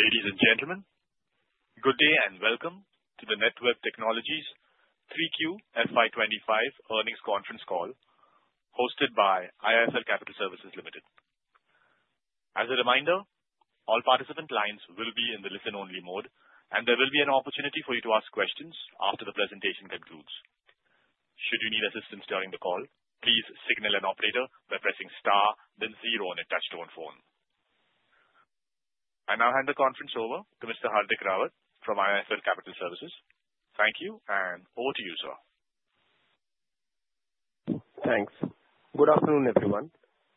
Ladies and gentlemen, good day and welcome to the Netweb Technologies 3Q FY25 Earnings Conference Call hosted by IIFL Capital Services Limited. As a reminder, all participant lines will be in the listen-only mode, and there will be an opportunity for you to ask questions after the presentation concludes. Should you need assistance during the call, please signal an operator by pressing star, then zero on a touch-tone phone. I now hand the conference over to Mr. Hardik Rawat from IIFL Capital Services. Thank you, and over to you, sir. Thanks. Good afternoon, everyone.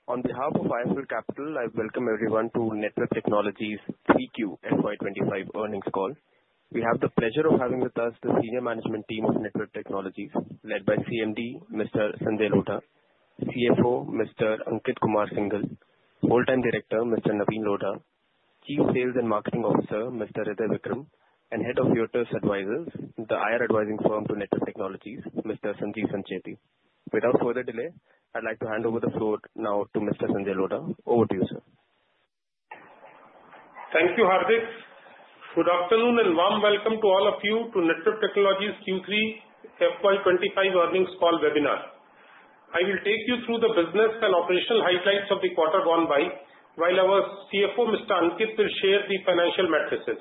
On behalf of IIFL Capital, I welcome everyone to Netweb Technologies 3Q FY25 earnings call. We have the pleasure of having with us the senior management team of Netweb Technologies led by CMD Mr. Sanjay Lodha, CFO Mr. Ankit Kumar Singhal, Whole Time director Mr. Navin Lodha, Chief Sales and Marketing Officer Mr. Hirdey Vikram, and head of Veritas Reputation PR, the IR advising firm to Netweb Technologies, Mr. Sanjeev Sancheti. Without further delay, I'd like to hand over the floor now to Mr. Sanjay Lodha. Over to you, sir. Thank you, Hardik. Good afternoon and warm welcome to all of you to Netweb Technologies Q3 FY25 Earnings Call webinar. I will take you through the business and operational highlights of the quarter gone by while our CFO Mr. Ankit will share the financial matters.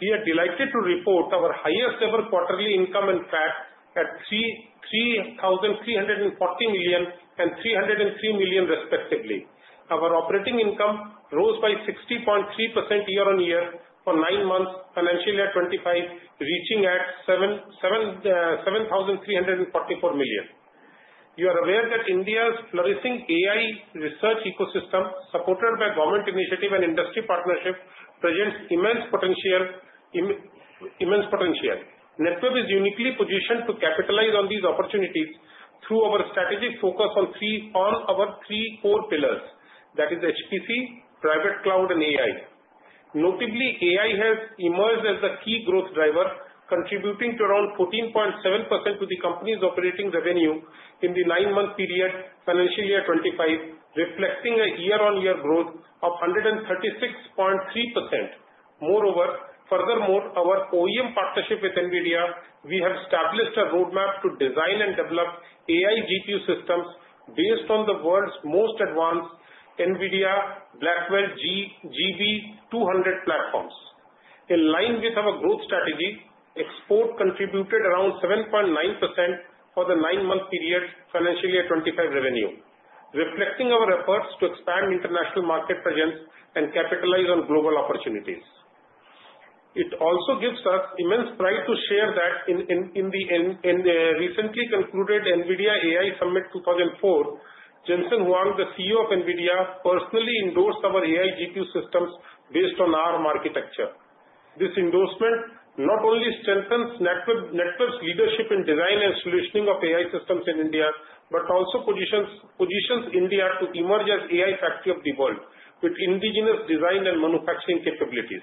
We are delighted to report our highest-ever quarterly income and PAT at 3,340 million and 303 million, respectively. Our operating income rose by 60.3% year-on-year for nine months FY25, reaching at 7,344 million. You are aware that India's flourishing AI research ecosystem, supported by government initiative and industry partnership, presents immense potential. Netweb is uniquely positioned to capitalize on these opportunities through our strategic focus on our three core pillars, that is HPC, private cloud, and AI. Notably, AI has emerged as the key growth driver, contributing to around 14.7% of the company's operating revenue in the nine-month period FY25, reflecting a year-on-year growth of 136.3%. Moreover, furthermore, our OEM partnership with NVIDIA, we have established a roadmap to design and develop AI GPU systems based on the world's most advanced NVIDIA Blackwell GB200 platforms. In line with our growth strategy, export contributed around 7.9% for the nine-month period FY25 revenue, reflecting our efforts to expand international market presence and capitalize on global opportunities. It also gives us immense pride to share that in the recently concluded NVIDIA AI Summit 2024, Jensen Huang, the CEO of NVIDIA, personally endorsed our AI GPU systems based on our architecture. This endorsement not only strengthens Netweb's leadership in design and solutioning of AI systems in India, but also positions India to emerge as AI factory of the world with indigenous design and manufacturing capabilities.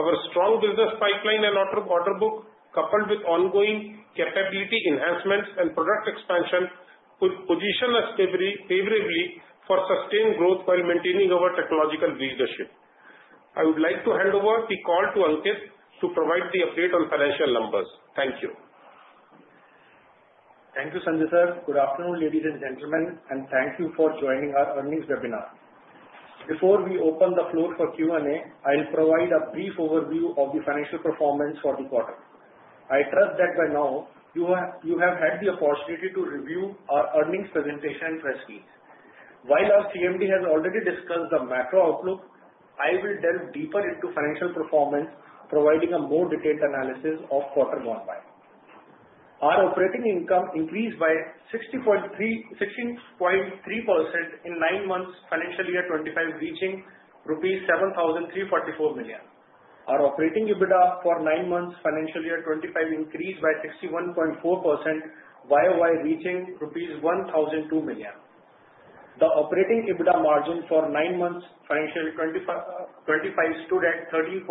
Our strong business pipeline and order book, coupled with ongoing capability enhancements and product expansion, would position us favorably for sustained growth while maintaining our technological leadership. I would like to hand over the call to Ankit to provide the update on financial numbers. Thank you. Thank you, Sanjay sir. Good afternoon, ladies and gentlemen, and thank you for joining our earnings webinar. Before we open the floor for Q&A, I'll provide a brief overview of the financial performance for the quarter. I trust that by now, you have had the opportunity to review our earnings presentation and press feeds. While our CMD has already discussed the macro outlook, I will delve deeper into financial performance, providing a more detailed analysis of quarter gone by. Our operating income increased by 16.3% in nine months, financial year 25, reaching rupees 7,344 million. Our operating EBITDA for nine months, financial year 25, increased by 61.4%, YOY reaching rupees 1,002 million. The operating EBITDA margin for nine months, financial year 25, stood at 13.7%.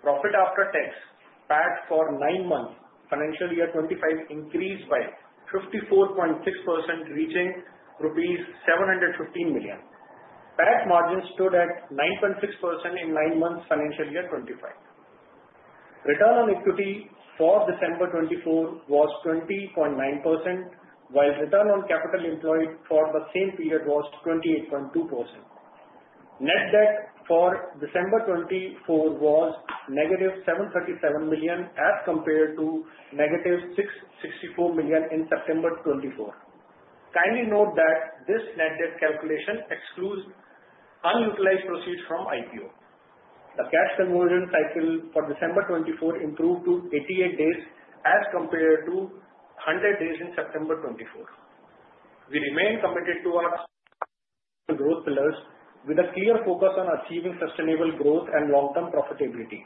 Profit after tax PAT for nine months, financial year 25, increased by 54.6%, reaching INR 715 million. PAT margin stood at 9.6% in nine months, financial year 25. Return on equity for December 2024 was 20.9%, while return on capital employed for the same period was 28.2%. Net debt for December 2024 was negative 737 million as compared to negative 664 million in September 2024. Kindly note that this net debt calculation excludes unutilized proceeds from IPO. The cash conversion cycle for December 2024 improved to 88 days as compared to 100 days in September 2024. We remain committed to our growth pillars with a clear focus on achieving sustainable growth and long-term profitability.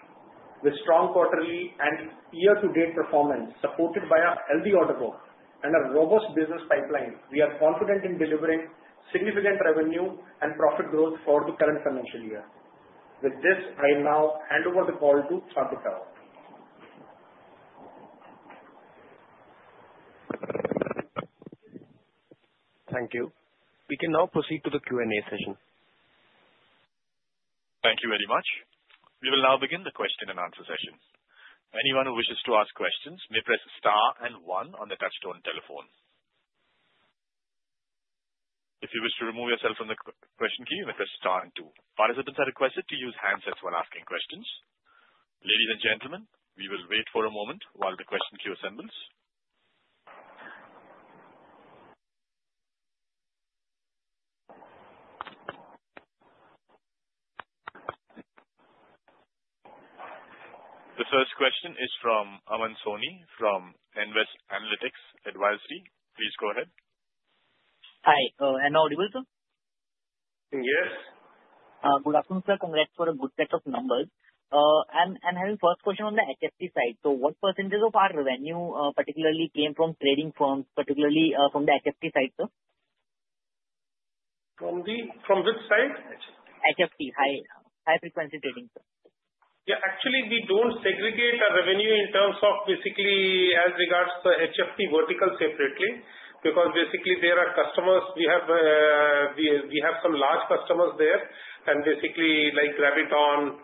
With strong quarterly and year-to-date performance supported by a healthy order book and a robust business pipeline, we are confident in delivering significant revenue and profit growth for the current financial year. With this, I now hand over the call to Hardik Rawat. Thank you. We can now proceed to the Q&A session. Thank you very much. We will now begin the question and answer session. Anyone who wishes to ask questions may press star and one on the touch-tone telephone. If you wish to remove yourself from the question queue, you may press star and two. Participants are requested to use handsets while asking questions. Ladies and gentlemen, we will wait for a moment while the question queue assembles. The first question is from Aman Soni from Nvest Analytics Advisory. Please go ahead. Hi. Am I audible? Yes. Good afternoon, sir. Congrats for a good set of numbers. I'm having a first question on the HFT side. So what percentage of our revenue particularly came from trading firms, particularly from the HFT side, sir? From which side? HFT. High-frequency trading, sir. Yeah. Actually, we don't segregate our revenue in terms of basically as regards to HFT vertical separately because basically there are customers. We have some large customers there and basically like Graviton,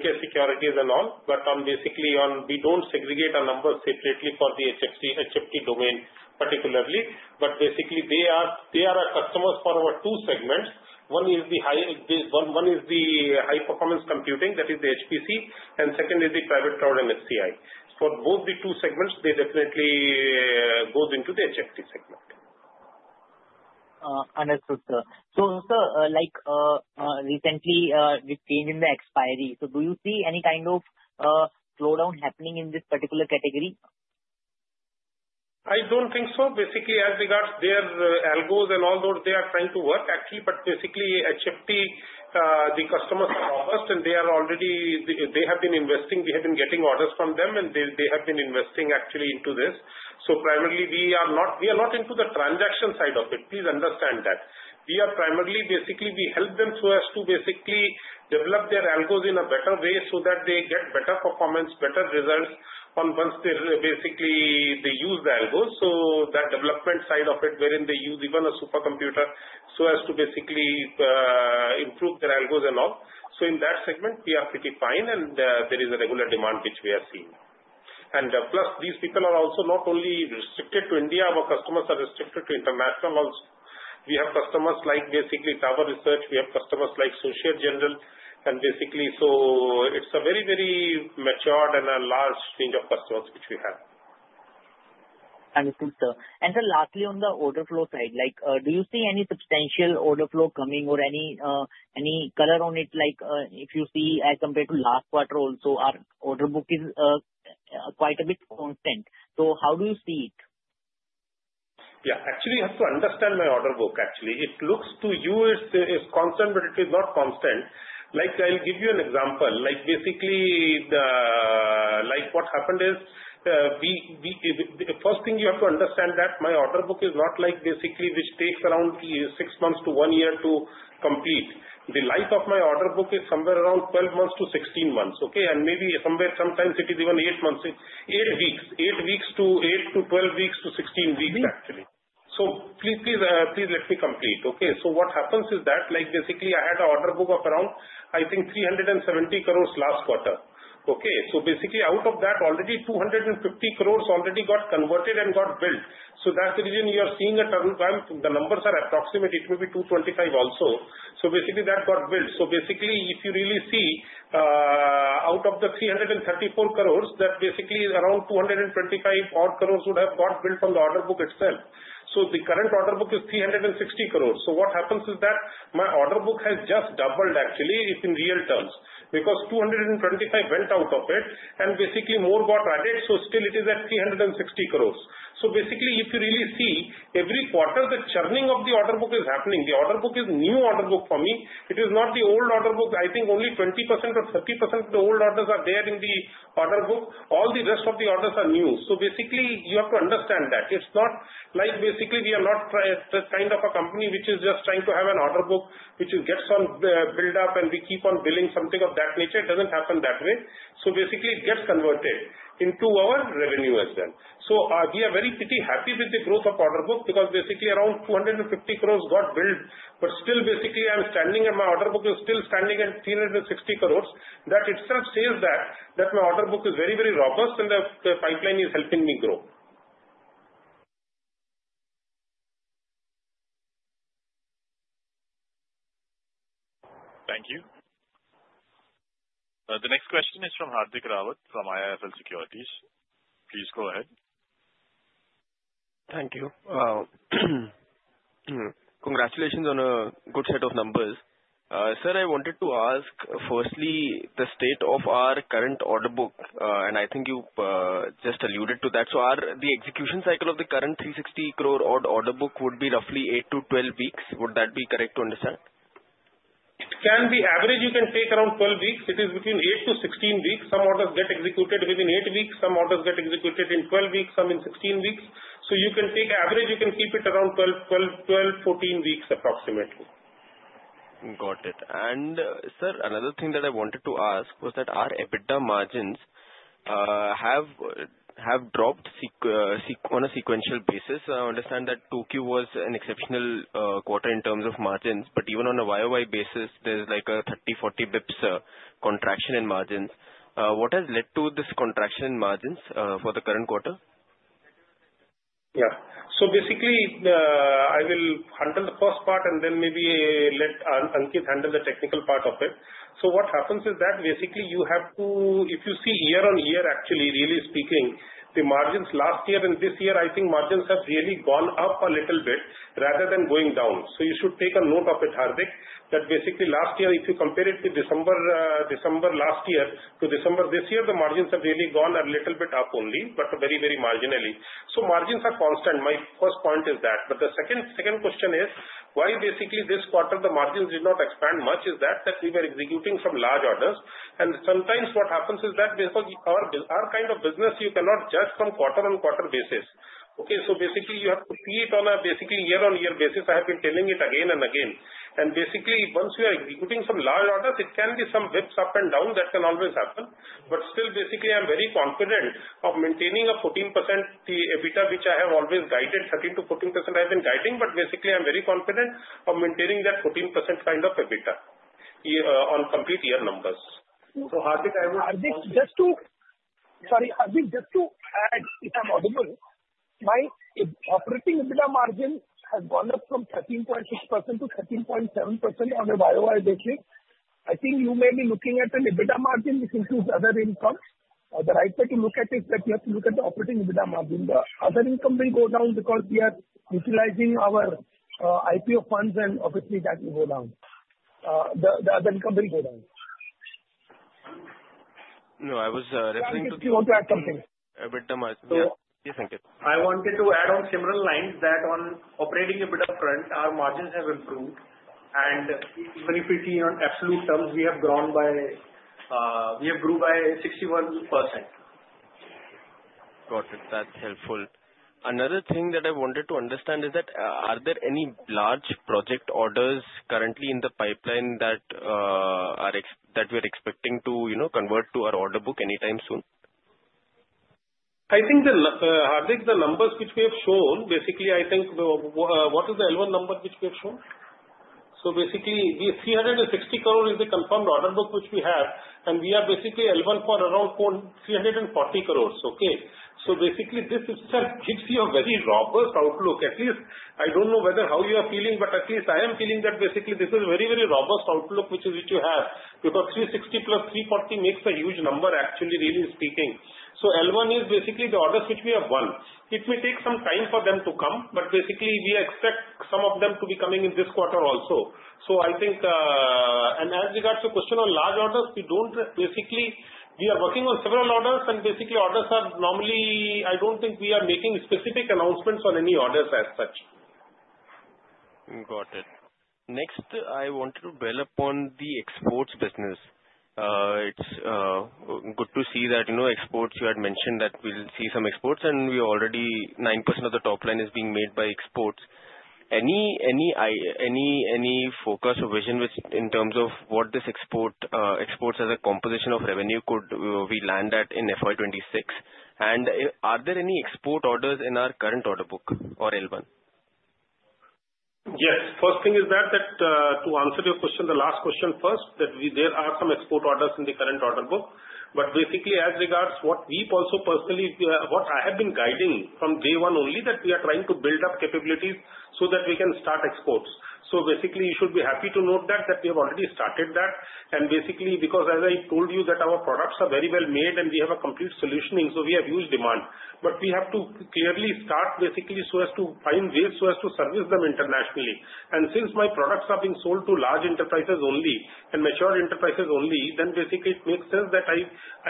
NK Securities and all. But basically we don't segregate our numbers separately for the HFT domain particularly. But basically they are our customers for our two segments. One is the high-performance computing, that is the HPC, and second is the private cloud and HCI. For both the two segments, they definitely go into the HFT segment. Understood, sir. So sir, recently with change in the expiry, so do you see any kind of slowdown happening in this particular category? I don't think so. Basically as regards their algos and all those, they are trying to work actually, but basically HFT, the customers are robust and they are already. They have been investing. We have been getting orders from them and they have been investing actually into this. So primarily we are not into the transaction side of it. Please understand that. We are primarily. Basically we help them so as to basically develop their algos in a better way so that they get better performance, better results once they basically use the algos. So that development side of it wherein they use even a supercomputer so as to basically improve their algos and all. So in that segment, we are pretty fine and there is a regular demand which we are seeing, and plus these people are also not only restricted to India. Our customers are restricted to international also. We have customers like basically Tower Research. We have customers like Société Générale. And basically so it's a very, very matured and a large range of customers which we have. Understood, sir. And sir lastly, on the order flow side, do you see any substantial order flow coming or any color on it? If you see as compared to last quarter also, our order book is quite a bit constant. So how do you see it? Yeah. Actually, you have to understand my order book. Actually, it looks to you it's constant, but it is not constant. I'll give you an example. Basically what happened is the first thing you have to understand that my order book is not basically which takes around six months to one year to complete. The life of my order book is somewhere around 12 months to 16 months. And maybe sometimes it is even eight weeks, eight weeks to eight to 12 weeks to 16 weeks actually. So please let me complete. So what happens is that basically I had an order book of around I think 370 crores last quarter. So basically out of that, already 250 crores already got converted and got built. So that's the reason you are seeing a turn. The numbers are approximate. It may be 225 also. So basically that got built. So basically if you really see out of the 334 crores, that basically around 225 odd crores would have got built on the order book itself. So the current order book is 360 crores. So what happens is that my order book has just doubled actually in real terms because 225 went out of it and basically more got added. So still it is at 360 crores. So basically if you really see every quarter, the churning of the order book is happening. The order book is new order book for me. It is not the old order book. I think only 20% or 30% of the old orders are there in the order book. All the rest of the orders are new. So basically you have to understand that. It's not like basically we are not the kind of a company which is just trying to have an order book which gets on build up and we keep on billing something of that nature. It doesn't happen that way. So basically it gets converted into our revenue as well. So we are very pretty happy with the growth of order book because basically around 250 crores got built. But still basically I'm standing and my order book is still standing at 360 crores. That itself says that my order book is very, very robust and the pipeline is helping me grow. Thank you. The next question is from Hardik Rawat from IIFL Securities. Please go ahead. Thank you. Congratulations on a good set of numbers. Sir, I wanted to ask firstly the state of our current order book. And I think you just alluded to that. So the execution cycle of the current 360 crore-odd order book would be roughly 8-12 weeks. Would that be correct to understand? It can be average. You can take around 12 weeks. It is between 8 to 16 weeks. Some orders get executed within 8 weeks. Some orders get executed in 12 weeks. Some in 16 weeks. So you can take average. You can keep it around 12, 14 weeks approximately. Got it. And sir, another thing that I wanted to ask was that our EBITDA margins have dropped on a sequential basis. I understand that Tokyo was an exceptional quarter in terms of margins, but even on a YOY basis, there's like a 30-40 basis points contraction in margins. What has led to this contraction in margins for the current quarter? Yeah. So basically I will handle the first part and then maybe let Ankit handle the technical part of it. So what happens is that basically you have to, if you see year on year, actually really speaking, the margins last year and this year, I think margins have really gone up a little bit rather than going down. So you should take a note of it, Hardik, that basically last year, if you compare it to December last year to December this year, the margins have really gone a little bit up only, but very, very marginally. So margins are constant. My first point is that. But the second question is why basically this quarter the margins did not expand much is that we were executing some large orders. And sometimes what happens is that because our kind of business, you cannot judge from quarter on quarter basis. So basically you have to see it on a basically year-on-year basis. I have been telling it again and again. And basically once you are executing some large orders, it can be some basis points up and down. That can always happen. But still basically I'm very confident of maintaining a 14% EBITDA, which I have always guided. 13%-14% I've been guiding, but basically I'm very confident of maintaining that 14% kind of EBITDA on complete year numbers. Hardik, I want to. Hardik, just to add if I'm audible, my operating EBITDA margin has gone up from 13.6% to 13.7% on a YOY basis. I think you may be looking at an EBITDA margin which includes other income. The right way to look at it is that you have to look at the operating EBITDA margin. The other income will go down because we are utilizing our IPO funds and obviously that will go down. The other income will go down. No, I was referring to. Ankit, you want to add something? EBITDA margin. Yes, Ankit. I wanted to add on similar lines that on operating EBITDA front, our margins have improved, and even if we see on absolute terms, we have grown by 61%. Got it. That's helpful. Another thing that I wanted to understand is that are there any large project orders currently in the pipeline that we are expecting to convert to our order book anytime soon? I think, Hardik, the numbers which we have shown, basically I think what is the L1 number which we have shown? So basically 360 crore is the confirmed order book which we have. And we are basically L1 for around 340 crores. So basically this itself gives you a very robust outlook. At least I don't know how you are feeling, but at least I am feeling that basically this is a very, very robust outlook which you have because 360 plus 340 makes a huge number actually really speaking. So L1 is basically the orders which we have won. It may take some time for them to come, but basically we expect some of them to be coming in this quarter also. I think, and as regards to question on large orders, we don't basically. We are working on several orders, and basically orders are normally. I don't think we are making specific announcements on any orders as such. Got it. Next, I wanted to dwell upon the exports business. It's good to see that exports. You had mentioned that we'll see some exports and we already 9% of the top line is being made by exports. Any focus or vision in terms of what this exports as a composition of revenue could we land at in FY26? And are there any export orders in our current order book or L1? Yes. First thing is that to answer your question, the last question first, that there are some export orders in the current order book, but basically as regards what we also personally what I have been guiding from day one only that we are trying to build up capabilities so that we can start exports, so basically you should be happy to note that we have already started that, and basically because as I told you that our products are very well made and we have a complete solutioning, so we have huge demand, but we have to clearly start basically so as to find ways so as to service them internationally, and since my products are being sold to large enterprises only and mature enterprises only, then basically it makes sense that I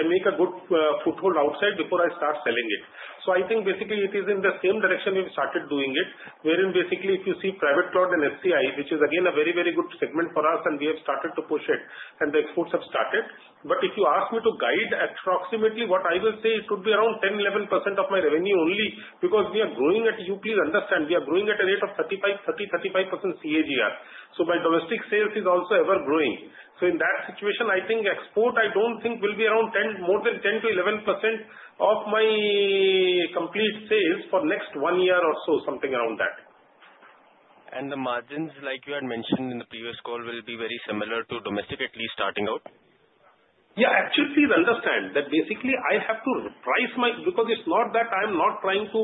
make a good foothold outside before I start selling it. So I think basically it is in the same direction we've started doing it wherein basically if you see private cloud and HCI, which is again a very, very good segment for us and we have started to push it and the exports have started. But if you ask me to guide approximately what I will say, it would be around 10-11% of my revenue only because we are growing at upward, understand? We are growing at a rate of 35, 30, 35% CAGR. So my domestic sales is also ever growing. So in that situation, I think export I don't think will be around 10 more than 10 to 11% of my complete sales for next one year or so, something around that. The margins, like you had mentioned in the previous call, will be very similar to domestic at least starting out? Yeah. Actually, please understand that basically I have to price my products because it's not that I'm not trying to.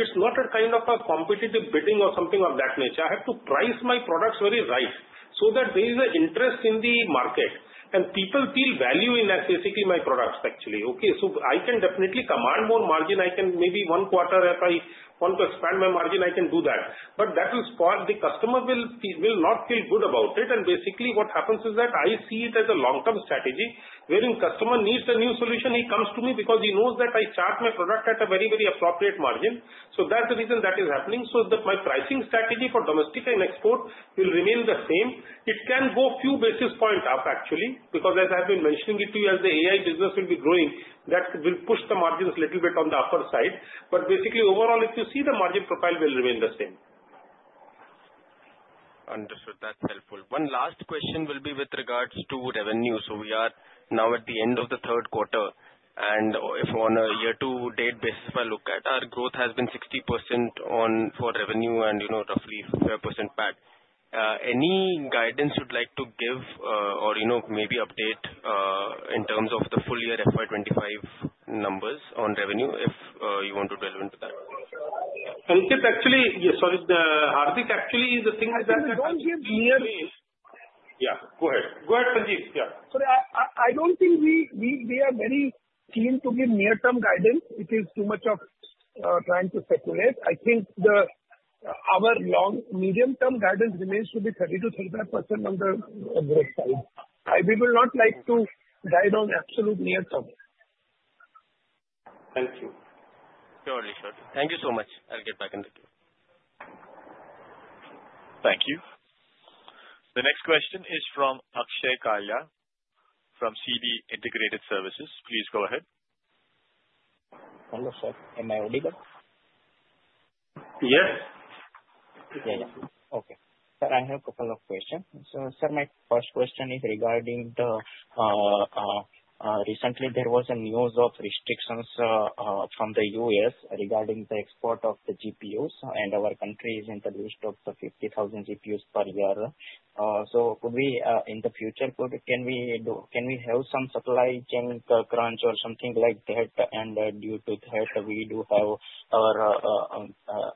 It's not a kind of a competitive bidding or something of that nature. I have to price my products very tight so that there is an interest in the market and people feel value in basically my products actually. So I can definitely command more margin. I can maybe one quarter if I want to expand my margin, I can do that. But that will make the customer not feel good about it. And basically what happens is that I see it as a long-term strategy wherein customer needs a new solution, he comes to me because he knows that I charge my product at a very, very appropriate margin. So that's the reason that is happening. So that my pricing strategy for domestic and export will remain the same. It can go a few basis points up actually because as I've been mentioning it to you, as the AI business will be growing, that will push the margins a little bit on the upper side. But basically overall, if you see the margin profile, it will remain the same. Understood. That's helpful. One last question will be with regards to revenue. So we are now at the end of the third quarter. And if on a year-to-date basis, if I look at our growth has been 60% for revenue and roughly 5% PAT. Any guidance you'd like to give or maybe update in terms of the full year FY25 numbers on revenue if you want to delve into that? Ankit, actually, sorry, Hardik, actually the thing is that. I don't think we are near, yeah. Go ahead. Go ahead, Sanjeev. Yeah. Sorry, I don't think we are very keen to give near-term guidance. It is too much of trying to speculate. I think our long medium-term guidance remains to be 30%-35% on the growth side. We will not like to guide on absolute near-term. Thank you. Surely, surely. Thank you so much. I'll get back in a bit. Thank you. The next question is from Akshay Kaila from C D Integrated Services. Please go ahead. Hello, sir. Am I audible? Yes. Yeah, yeah. Okay. Sir, I have a couple of questions. So, sir, my first question is regarding the recently there was a news of restrictions from the U.S. regarding the export of the GPUs. And our country is in the list of the 50,000 GPUs per year. So in the future, can we have some supply chain crunch or something like that? And due to that, we do have our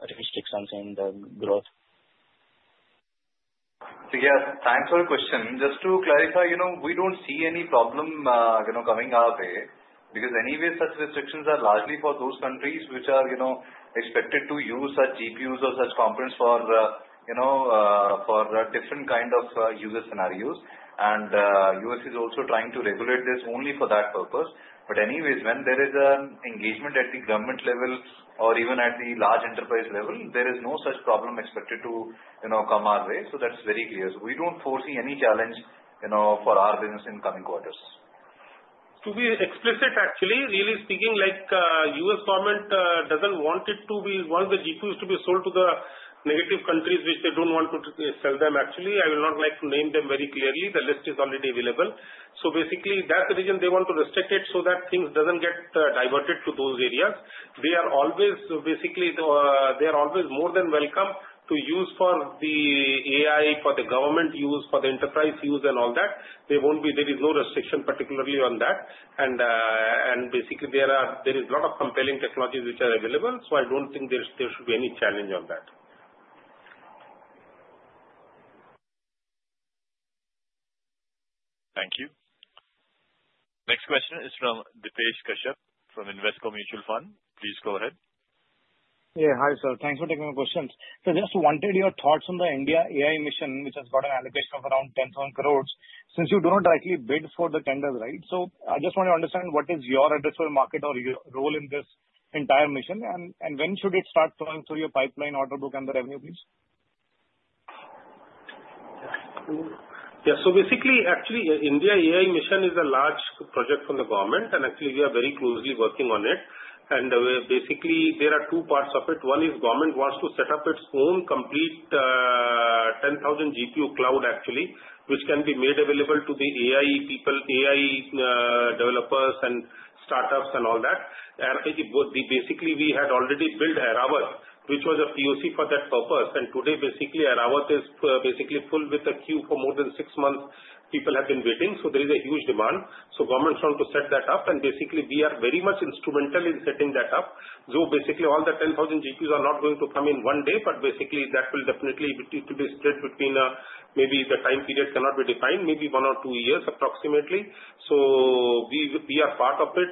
restrictions in the growth. So yeah, thanks for the question. Just to clarify, we don't see any problem coming our way because anyway, such restrictions are largely for those countries which are expected to use such GPUs or such components for different kinds of user scenarios. And the U.S. is also trying to regulate this only for that purpose. But anyways, when there is an engagement at the government level or even at the large enterprise level, there is no such problem expected to come our way. So that's very clear. So we don't foresee any challenge for our business in coming quarters. To be explicit, actually, really speaking, like U.S. government doesn't want it to be one of the GPUs to be sold to the negative countries which they don't want to sell them actually. I will not like to name them very clearly. The list is already available. So basically, that's the reason they want to restrict it so that things don't get diverted to those areas. They are always basically more than welcome to use for the AI, for the government use, for the enterprise use and all that. There is no restriction particularly on that. And basically, there is a lot of compliant technologies which are available. So I don't think there should be any challenge on that. Thank you. Next question is from Deepesh Kashyap from Invesco Mutual Fund. Please go ahead. Yeah. Hi, sir. Thanks for taking my question. So just wanted your thoughts on the India AI mission, which has got an allocation of around 10,000 crores. Since you do not directly bid for the tenders, right? So I just want to understand what is your addressable market or your role in this entire mission? And when should it start flowing through your pipeline order book and the revenue, please? Yeah. So basically, actually, India AI Mission is a large project from the government. And actually, we are very closely working on it. And basically, there are two parts of it. One is government wants to set up its own complete 10,000 GPU cloud actually, which can be made available to the AI people, AI developers and startups and all that. And basically, we had already built AIRAWAT, which was a POC for that purpose. And today, basically, AIRAWAT is basically full with a queue for more than six months. People have been waiting. So there is a huge demand. So government's wanting to set that up. And basically, we are very much instrumental in setting that up. So basically, all the 10,000 GPUs are not going to come in one day, but basically that will definitely be spread between maybe the time period cannot be defined, maybe one or two years approximately. So we are part of it.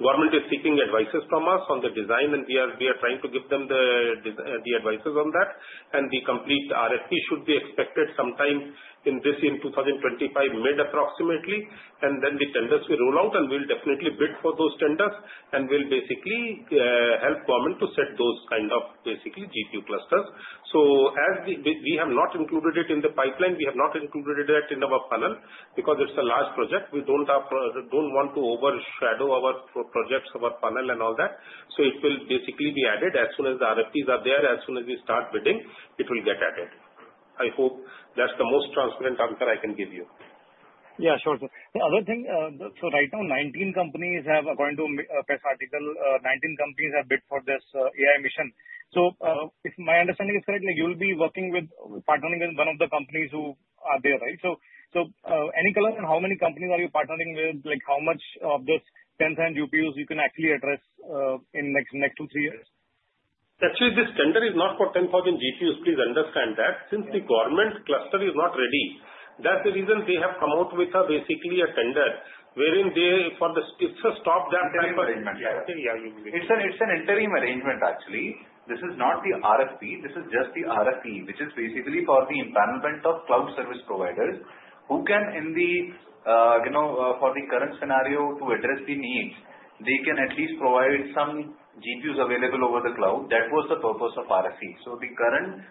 Government is seeking advice from us on the design, and we are trying to give them the advice on that. And the complete RFP should be expected sometime in this year in 2025, mid approximately. And then the tenders will roll out, and we'll definitely bid for those tenders and will basically help government to set those kind of basically GPU clusters. So as we have not included it in the pipeline, we have not included it yet in our pipeline because it's a large project. We don't want to overshadow our projects, our pipeline and all that. So it will basically be added as soon as the RFPs are there. As soon as we start bidding, it will get added. I hope that's the most transparent answer I can give you. Yeah, sure, sir. The other thing, so right now, 19 companies have, according to press article, 19 companies have bid for this AI mission. So if my understanding is correct, you'll be working with partnering with one of the companies who are there, right? So any color on how many companies are you partnering with? How much of this 10,000 GPUs you can actually address in the next two, three years? Actually, this tender is not for 10,000 GPUs. Please understand that. Since the government cluster is not ready, that's the reason they have come out with basically a tender wherein they for the it's a stopgap type of. Interim arrangement, yeah. It's an interim arrangement, actually. This is not the RFP. This is just the RFE, which is basically for the empanelment of cloud service providers who can, in the current scenario to address the needs, they can at least provide some GPUs available over the cloud. That was the purpose of RFE. So the current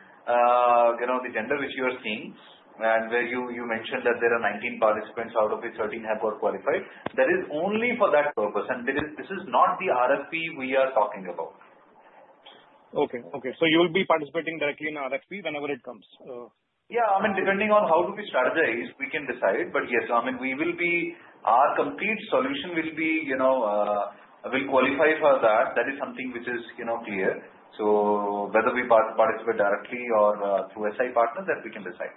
tender which you are seeing, and where you mentioned that there are 19 participants, out of which 13 have got qualified, that is only for that purpose. This is not the RFP we are talking about. Okay. So you will be participating directly in RFP whenever it comes? Yeah. I mean, depending on how do we strategize, we can decide. But yes, I mean, our complete solution will qualify for that. That is something which is clear. So whether we participate directly or through SI partners, that we can decide.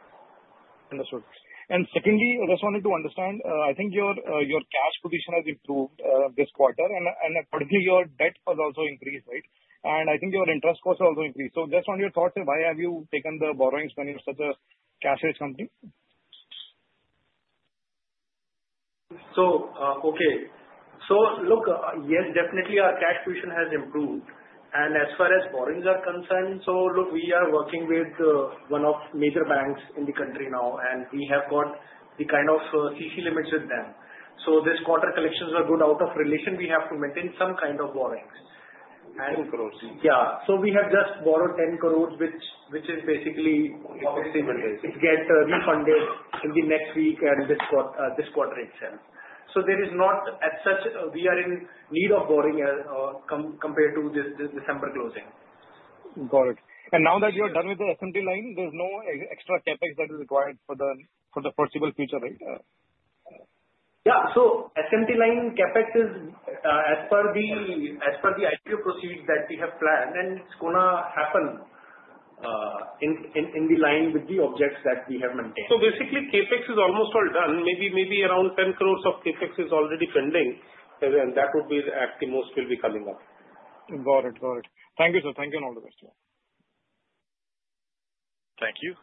Understood. And secondly, I just wanted to understand. I think your cash position has improved this quarter. And accordingly, your debt has also increased, right? And I think your interest costs have also increased. So just on your thoughts, why have you taken the borrowing when you're such a cash-rich company? Okay. Look, yes, definitely our cash position has improved. As far as borrowings are concerned, look, we are working with one of the major banks in the country now, and we have got the kind of CC limits with them. This quarter collections are good out of relation. We have to maintain some kind of borrowings. 10 crores. Yeah. So we have just borrowed 10 crores, which is basically obviously to get refunded in the next week and this quarter itself. So there is not as such we are in need of borrowing compared to the December closing. Got it. And now that you're done with the SMT line, there's no extra CapEx that is required for the foreseeable future, right? Yeah. SMT line CapEx is as per the IPO proceeds that we have planned, and it's going to happen in line with the objects that we have maintained. So basically, CapEx is almost all done. Maybe around 10 crores of CapEx is already pending, and that would be the active most will be coming up. Got it. Got it. Thank you, sir. Thank you and all the best. Thank you.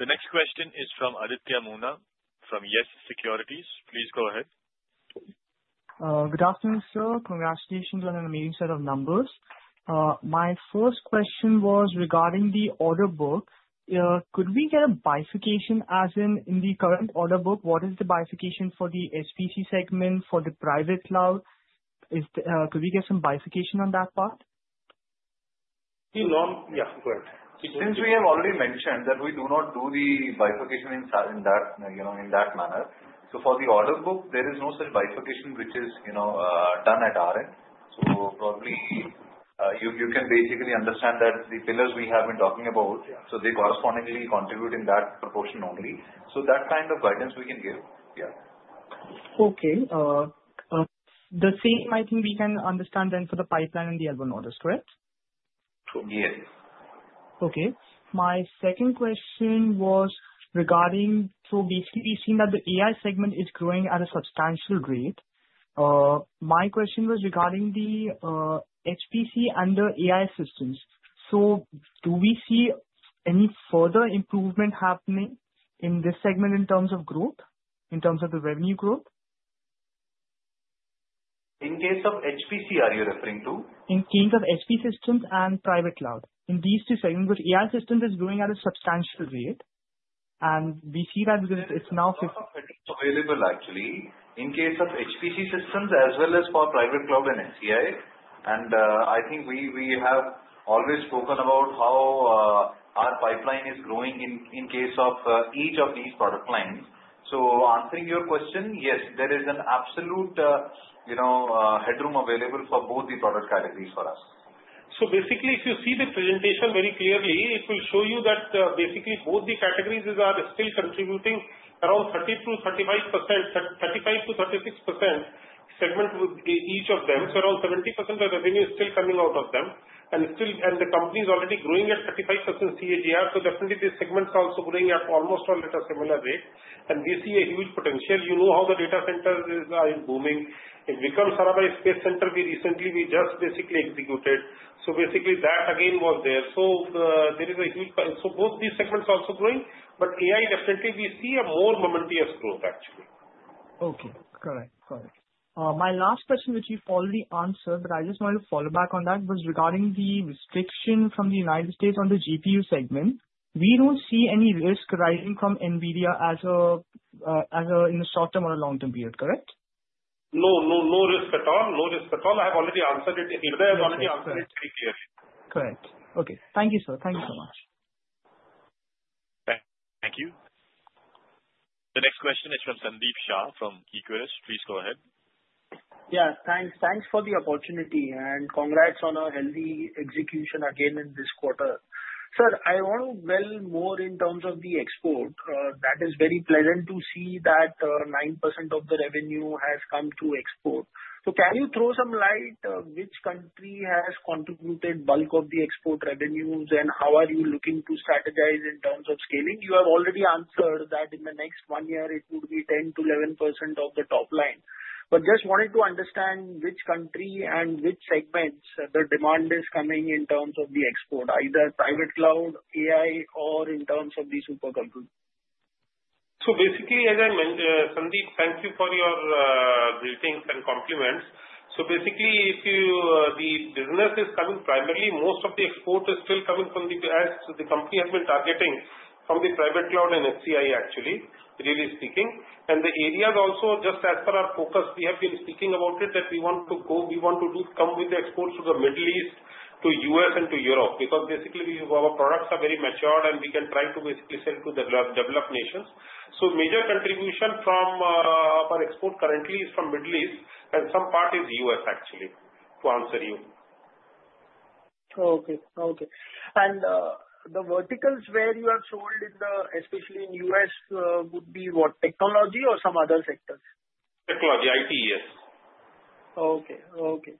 The nExt question is from Aditya Moona from YES SECURITIES. Please go ahead. Good afternoon, sir. Congratulations on a meaty set of numbers. My first question was regarding the order book. Could we get a bifurcation as in the current order book, what is the bifurcation for the SPC segment, for the private cloud? Could we get some bifurcation on that part? Yeah. Go ahead. Since we have already mentioned that we do not do the bifurcation in that manner, so for the order book, there is no such bifurcation which is done at our end, so probably you can basically understand that the pillars we have been talking about, so they correspondingly contribute in that proportion only, so that kind of guidance we can give. Yeah. Okay. The same, I think we can understand then for the pipeline and the L1 notice, correct? Yes. Okay. My second question was regarding so basically we've seen that the AI segment is growing at a substantial rate. My question was regarding the HPC and the AI systems. So do we see any further improvement happening in this segment in terms of growth, in terms of the revenue growth? In case of HPC, are you referring to? In case of HPC systems and private cloud. In these two segments, which AI systems is growing at a substantial rate. And we see that it's now. Available actually. In case of HPC systems as well as for private cloud and HCI. And I think we have always spoken about how our pipeline is growing in case of each of these product lines. So answering your question, yes, there is an absolute headroom available for both the product categories for us. Basically, if you see the presentation very clearly, it will show you that basically both the categories are still contributing around 30%-35%, 35%-36% segment with each of them. Around 70% of revenue is still coming out of them. The company is already growing at 35% CAGR. Definitely the segments are also growing at almost all at a similar rate. We see a huge potential. You know how the data centers are booming. It becomes AIRAWAT supercomputer we recently just basically executed. Basically that again was there. There is a huge, so both these segments are also growing. But AI definitely we see a more momentous growth actually. Okay. Correct. My last question, which you've already answered, but I just wanted to follow up on that, was regarding the restriction from the United States on the GPU segment. We don't see any risk arising from NVIDIA as in the short term or a long term period, correct? No, no, no risk at all. No risk at all. I have already answered it. I have already answered it very clearly. Correct. Okay. Thank you, sir. Thank you so much. Thank you. The next question is from Sandeep Shah from Equirus. Please go ahead. Yeah. Thanks. Thanks for the opportunity. Congrats on a healthy execution again in this quarter. Sir, I want to dwell more in terms of the export. That is very pleasant to see that 9% of the revenue has come through export. So can you throw some light which country has contributed bulk of the export revenues and how are you looking to strategize in terms of scaling? You have already answered that in the next one year, it would be 10%-11% of the top line. But just wanted to understand which country and which segments the demand is coming in terms of the export, either private cloud, AI, or in terms of the super computer. So basically, as I mentioned, Sandeep, thank you for your greetings and compliments. So basically, the business is coming primarily. Most of the export is still coming from, as the company has been targeting, from the private cloud and HCI actually, really speaking. And the areas also just as per our focus, we have been speaking about it that we want to go we want to come with the exports to the Middle East, to U.S., and to Europe because basically our products are very mature and we can try to basically sell to the developed nations. So major contribution from our export currently is from Middle East and some part is U.S. actually to answer you. Okay. And the verticals where you have sold, especially in the U.S., would be what? Technology or some other sectors? Technology. IT, yes. Okay.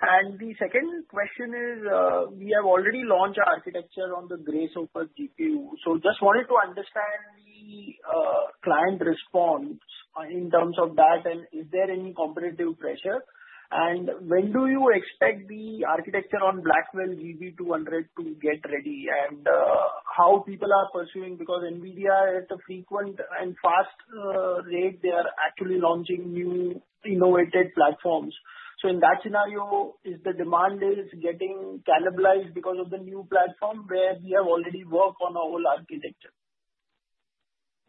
And the second question is we have already launched our architecture on the Grace Hopper GPU. So just wanted to understand the client response in terms of that and is there any competitive pressure? And when do you expect the architecture on Blackwell GB200 to get ready and how people are pursuing because NVIDIA is at a frequent and fast rate they are actually launching new innovative platforms. So in that scenario, is the demand getting cannibalized because of the new platform where we have already worked on our whole architecture?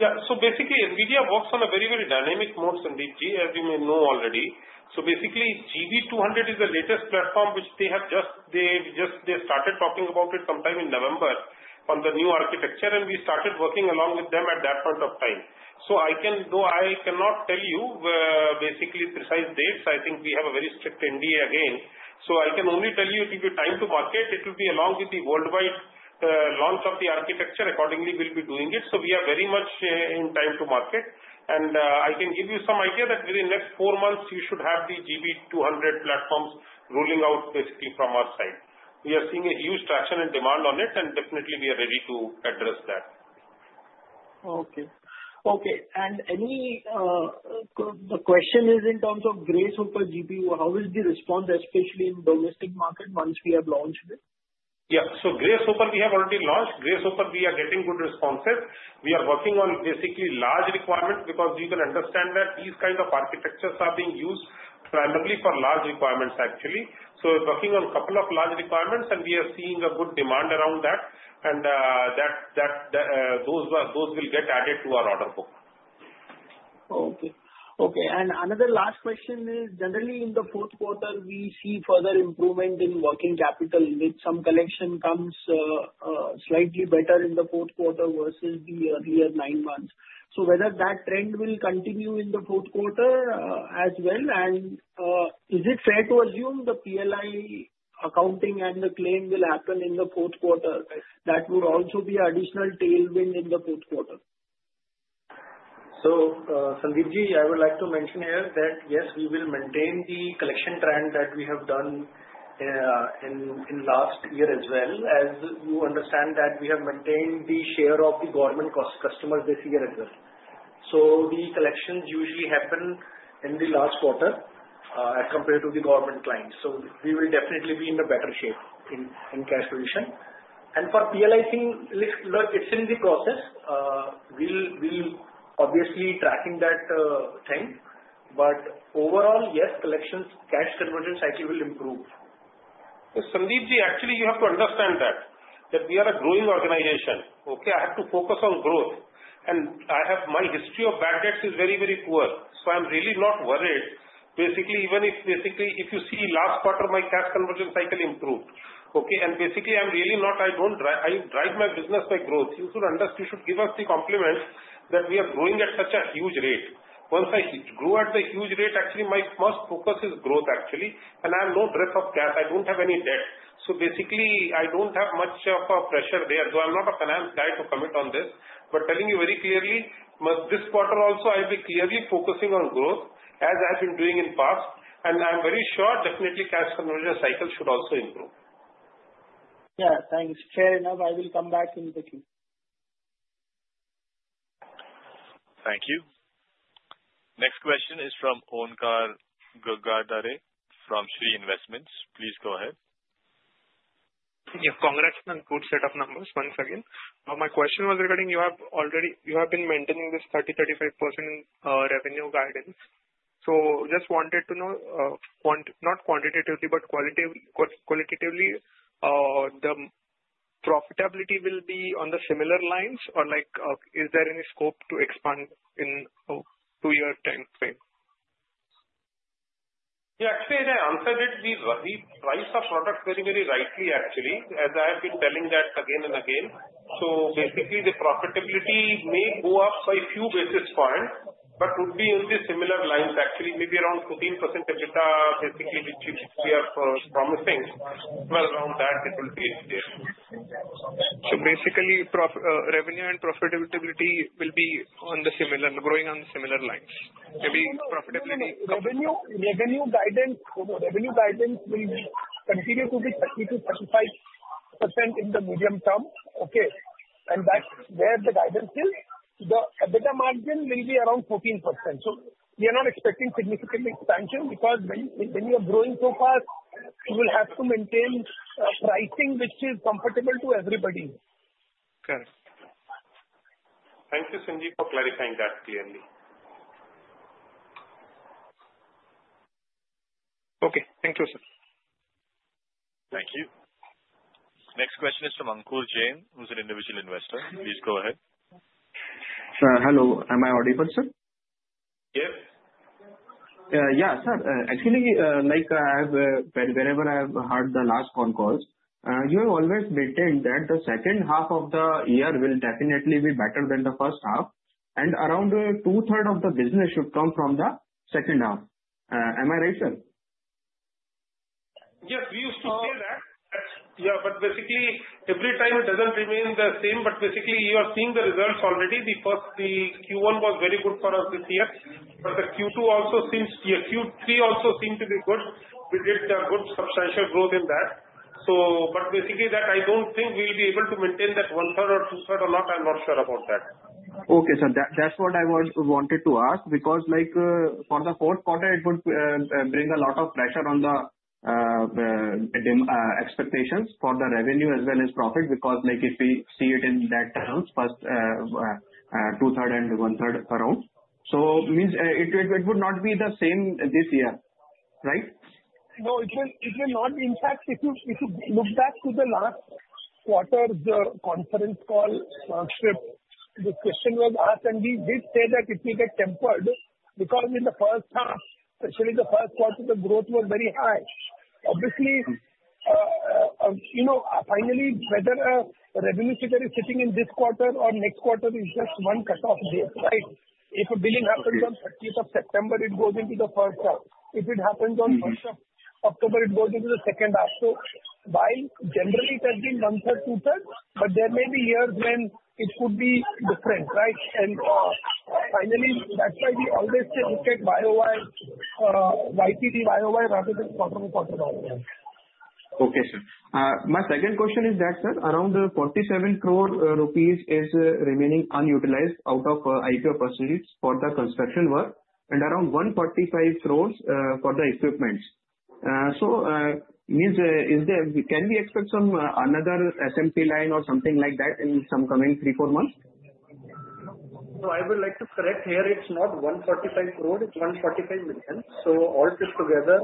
Yeah. So basically, NVIDIA works on a very, very dynamic mode, Sandeep Ji, as you may know already. So basically, GB200 is the latest platform which they have just started talking about it sometime in November on the new architecture and we started working along with them at that point of time. So I cannot tell you basically precise dates. I think we have a very strict NDA again. So I can only tell you it will be time to market. It will be along with the worldwide launch of the architecture. Accordingly, we'll be doing it. So we are very much in time to market. And I can give you some idea that within the next four months, you should have the GB200 platforms rolling out basically from our side. We are seeing a huge traction and demand on it, and definitely we are ready to address that. And the question is in terms of Grace Hopper GPU, how is the response, especially in domestic market, once we have launched it? Yeah. So Grace Hopper, we have already launched. Grace Hopper, we are getting good responses. We are working on basically large requirements because you can understand that these kinds of architectures are being used primarily for large requirements actually. So working on a couple of large requirements, and we are seeing a good demand around that. And those will get added to our order book. Okay. Okay. And another last question is generally in the fourth quarter, we see further improvement in working capital with some collection comes slightly better in the fourth quarter versus the earlier nine months. So whether that trend will continue in the fourth quarter as well? And is it fair to assume the PLI accounting and the claim will happen in the fourth quarter? That would also be an additional tailwind in the fourth quarter. So, Sandeep Ji, I would like to mention here that yes, we will maintain the collection trend that we have done in last year as well. As you understand that we have maintained the share of the government customers this year as well. So the collections usually happen in the last quarter as compared to the government clients. So we will definitely be in a better shape in cash position. And for PLI thing, look, it's in the process. We'll obviously be tracking that thing. But overall, yes, collections, cash conversion cycle will improve. Sandeep Ji, actually, you have to understand that we are a growing organization. Okay? I have to focus on growth. And my history of bad debts is very, very poor. So I'm really not worried. Basically, if you see last quarter, my cash conversion cycle improved. Okay? And basically, I drive my business by growth. You should give us the compliment that we are growing at such a huge rate. Once I grow at the huge rate, actually, my first focus is growth actually. And I have no dearth of cash. I don't have any debt. So basically, I don't have much of a pressure there. Though I'm not a finance guy to commit on this. But telling you very clearly, this quarter also, I'll be clearly focusing on growth as I've been doing in the past. I'm very sure definitely cash conversion cycle should also improve. Yeah. Thanks. Fair enough. I will come back in the queue. Thank you. Next question is from Onkar Ghag from Shree Investments. Please go ahead. Yes. Congrats on a good set of numbers once again. My question was regarding you have already been maintaining this 30%-35% revenue guidance. So just wanted to know not quantitatively, but qualitatively, the profitability will be on the similar lines or is there any scope to expand in a two-year time frame? Yeah. Actually, as I answered it, we priced our product very, very rightly actually, as I have been telling that again and again. So basically, the profitability may go up by a few basis points, but would be on the similar lines actually, maybe around 14% EBITDA basically which we are promising. Well, around that, it will be there. So basically, revenue and profitability will be growing on similar lines. Maybe profitability. Revenue guidance will continue to be 30%-35% in the medium term. Okay? And that's where the guidance is. The EBITDA margin will be around 14%. So we are not expecting significant expansion because when you are growing so fast, you will have to maintain pricing which is comfortable to everybody. Correct. Thank you, Sandeep, for clarifying that clearly. Okay. Thank you, sir. Thank you. Next question is from Ankur Jain, who's an individual investor. Please go ahead. Hello. Am I audible, sir? Yes. Yeah, sir. Actually, like whenever I have heard the last con calls, you have always maintained that the second half of the year will definitely be better than the first half, and around two-thirds of the business should come from the second half. Am I right, sir? Yes. We used to say that. Yeah. But basically, every time it doesn't remain the same. But basically, you are seeing the results already. The Q1 was very good for us this year. But the Q2 also seems, Q3 also seemed to be good. We did a good substantial growth in that. But basically, that I don't think we'll be able to maintain that one-third or two-thirds or not. I'm not sure about that. Okay, sir. That's what I wanted to ask because for the fourth quarter, it would bring a lot of pressure on the expectations for the revenue as well as profit because if we see it in that term, first two-thirds and one-third around. So it would not be the same this year, right? No, it will not be. In fact, if you look back to the last quarter's conference call, the question was asked, and we did say that it will get tempered because in the first half, especially the first quarter, the growth was very high. Obviously, finally, whether revenue is sitting in this quarter or next quarter is just one cut-off date, right? If a billion happens on 30th of September, it goes into the first half. If it happens on 1st of October, it goes into the second half. So while generally, it has been one-third, two-third, but there may be years when it could be different, right? And finally, that's why we always say look at YOY, YTD, YOY rather than quarter-by-quarter YOY. Okay, sir. My second question is that, sir, around the 47 crore rupees is remaining unutilized out of IPO proceeds for the construction work and around 145 crores for the equipment. So can we expect some another SMT line or something like that in some coming three, four months? So I would like to correct here. It's not 145 crore. It's 145 million. So all put together,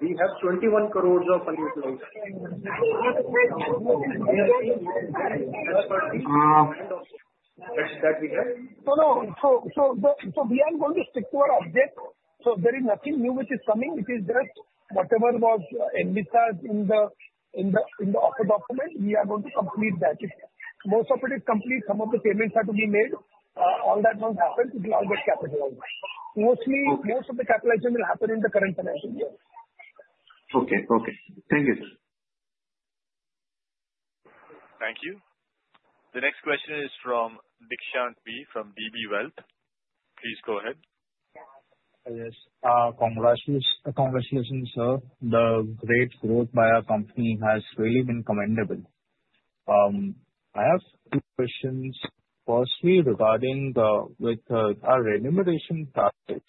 we have 21 crores of unutilized. That's what we have. No, no, so we are going to stick to our objective, so there is nothing new which is coming. It is just whatever was envisaged in the offer document. We are going to complete that. Most of it is complete. Some of the payments have to be made. All that once happens, it will all get capitalized. Most of the capitalization will happen in the current financial year. Okay. Okay. Thank you, sir. Thank you. The next question is from Deekshant B. from DB Wealth. Please go ahead. Yes. Congratulations, sir. The great growth by our company has really been commendable. I have two questions. Firstly, regarding our remuneration package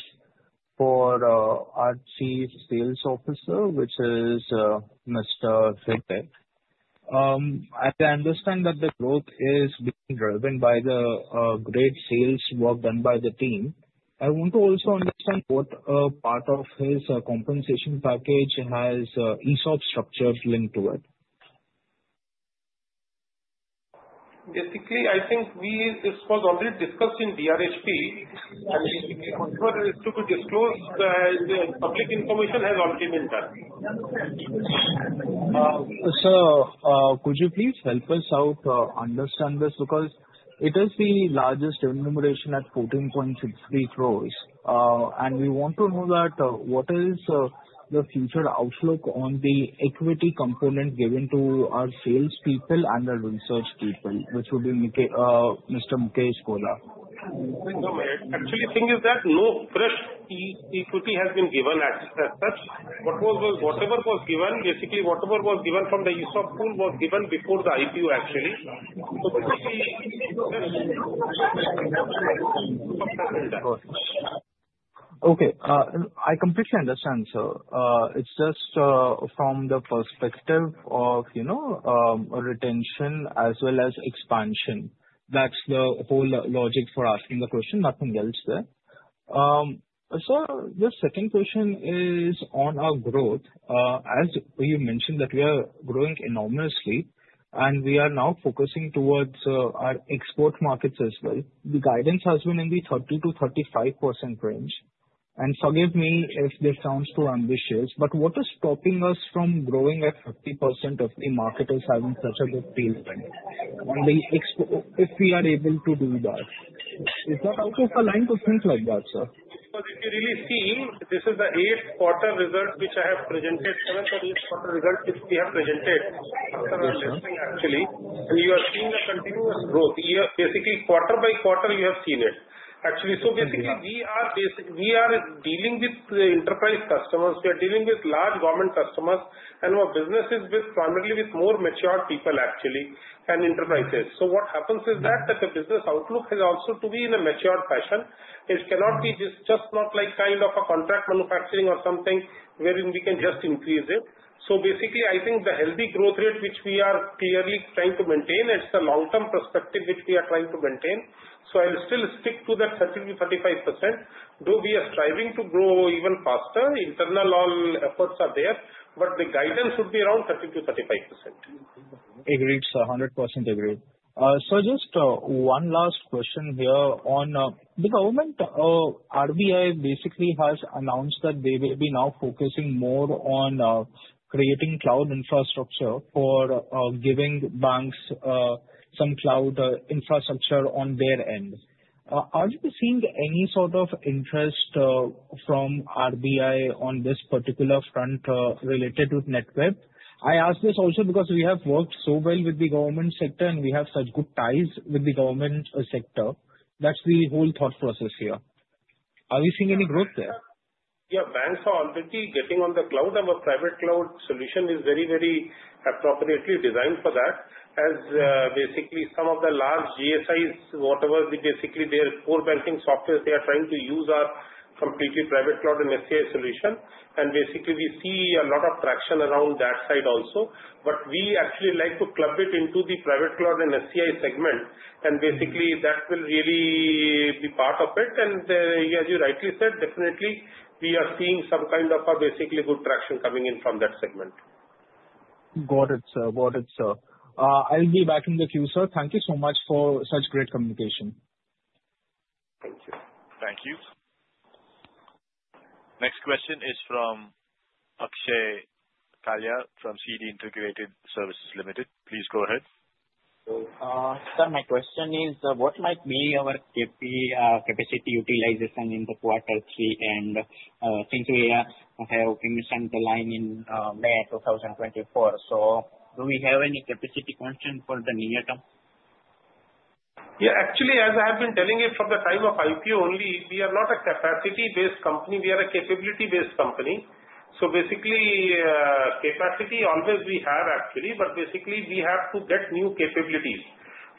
for our Chief Sales Officer, which is Mr. Hirdey Vikram. I understand that the growth is being driven by the great sales work done by the team. I want to also understand what part of his compensation package has ESOP structure linked to it. Basically, I think this was already discussed in DRHP, and if we prefer to disclose, public information has already been done. Sir, could you please help us out understand this? Because it is the largest remuneration at 14.63 crores. And we want to know that what is the future outlook on the equity component given to our salespeople and the research people, which would be Mr. Mukesh Gowda? Actually, the thing is that no fresh equity has been given as such. Whatever was given, basically whatever was given from the ESOP pool was given before the IPO actually. Okay. I completely understand, sir. It's just from the perspective of retention as well as expansion. That's the whole logic for asking the question. Nothing else there. Sir, the second question is on our growth. As you mentioned that we are growing enormously, and we are now focusing towards our export markets as well. The guidance has been in the 30%-35% range. And forgive me if this sounds too ambitious, but what is stopping us from growing at 50% of the market as having such a good tailwind? If we are able to do that, is that out of the line to think like that, sir? But if you really see, this is the eighth quarter result which I have presented. The seventh or eighth quarter result which we have presented after our listing actually. You are seeing the continuous growth. Basically, quarter by quarter, you have seen it. Actually, so basically, we are dealing with enterprise customers. We are dealing with large government customers. Our business is primarily with more matured people actually and enterprises. What happens is that the business outlook has also to be in a matured fashion. It cannot be just not like kind of a contract manufacturing or something wherein we can just increase it. Basically, I think the healthy growth rate which we are clearly trying to maintain, it's the long-term perspective which we are trying to maintain. I'll still stick to that 30%-35%. Though we are striving to grow even faster, internally all efforts are there, but the guidance should be around 30%-35%. Agreed, sir. 100% agreed. So just one last question here on the government. RBI basically has announced that they will be now focusing more on creating cloud infrastructure for giving banks some cloud infrastructure on their end. Are you seeing any sort of interest from RBI on this particular front related with Netweb? I ask this also because we have worked so well with the government sector, and we have such good ties with the government sector. That's the whole thought process here. Are we seeing any growth there? Yeah. Banks are already getting on the cloud. Our private cloud solution is very, very appropriately designed for that. As basically some of the large GSIs, whatever basically their core banking software, they are trying to use our completely private cloud and HCI solution. And basically, we see a lot of traction around that side also. But we actually like to club it into the private cloud and HCI segment. And basically, that will really be part of it. And as you rightly said, definitely, we are seeing some kind of a basically good traction coming in from that segment. Got it, sir. Got it, sir. I'll be back in the queue, sir. Thank you so much for such great communication. Thank you. Thank you. Next question is from Akshay Kaila from C D Integrated Services Limited. Please go ahead. Sir, my question is, what might be our capacity utilization in the quarter three? And since we have finished the line in May 2024, so do we have any capacity question for the near term? Yeah. Actually, as I have been telling you from the time of IPO only, we are not a capacity-based company. We are a capability-based company. So basically, capacity always we have actually, but basically, we have to get new capabilities.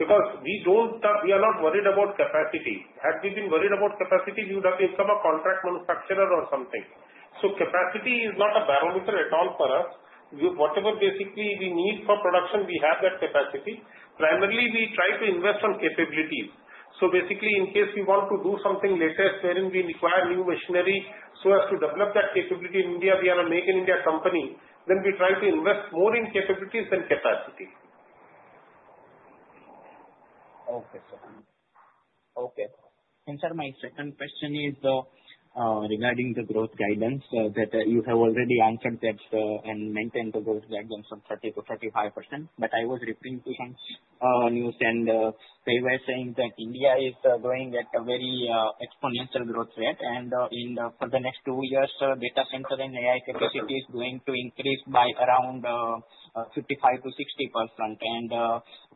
Because we are not worried about capacity. Had we been worried about capacity, we would have become a contract manufacturer or something. So capacity is not a barometer at all for us. Whatever basically we need for production, we have that capacity. Primarily, we try to invest on capabilities. So basically, in case we want to do something later wherein we require new machinery so as to develop that capability in India, we are a Make in India company. Then we try to invest more in capabilities than capacity. Okay, sir. Okay. And sir, my second question is regarding the growth guidance that you have already answered that and maintained the growth guidance from 30%-35%. But I was referring to some news, and they were saying that India is going at a very exponential growth rate. And for the next two years, data center and AI capacity is going to increase by around 55%-60%. And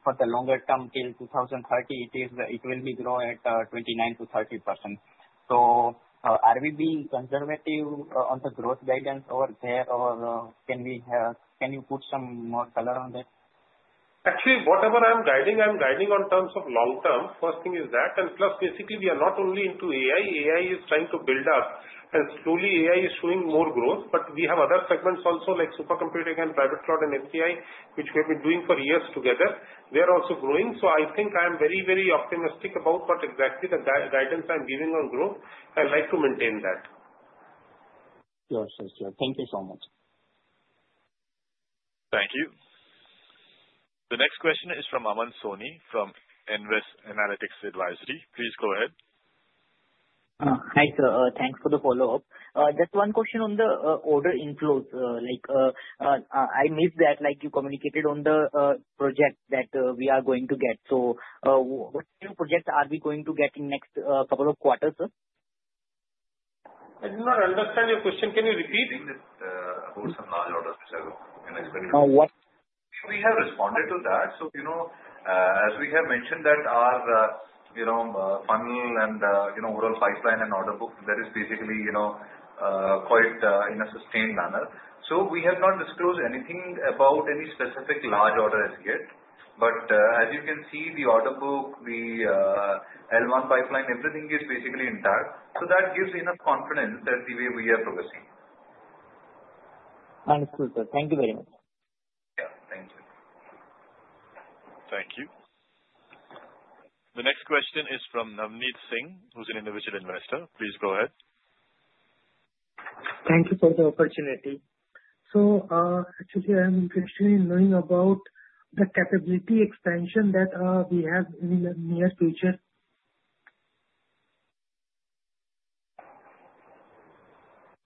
for the longer term, till 2030, it will grow at 29%-30%. So are we being conservative on the growth guidance over there, or can you put some more color on that? Actually, whatever I'm guiding, I'm guiding in terms of long term. First thing is that, and plus, basically, we are not only into AI. AI is trying to build up, and slowly, AI is showing more growth, but we have other segments also like supercomputing and private cloud and HCI, which we have been doing for years together. They are also growing, so I think I am very, very optimistic about what exactly the guidance I'm giving on growth. I like to maintain that. Yes, yes, yes. Thank you so much. Thank you. The next question is from Aman Soni from Nvest Analytics Advisory. Please go ahead. Hi, sir. Thanks for the follow-up. Just one question on the order inflows. I missed that you communicated on the project that we are going to get. So what new project are we going to get in the next couple of quarters, sir? I do not understand your question. Can you repeat? We didn't post a large order together. We have responded to that, so as we have mentioned, that our funnel and overall pipeline and order book, that is basically quite in a sustained manner, so we have not disclosed anything about any specific large order as yet. But as you can see, the order book, the L1 pipeline, everything is basically intact, so that gives enough confidence that the way we are progressing. Understood, sir. Thank you very much. Yeah. Thank you. Thank you. The next question is from Navneet Singh, who's an individual investor. Please go ahead. Thank you for the opportunity. So actually, I'm interested in knowing about the capability expansion that we have in the near future.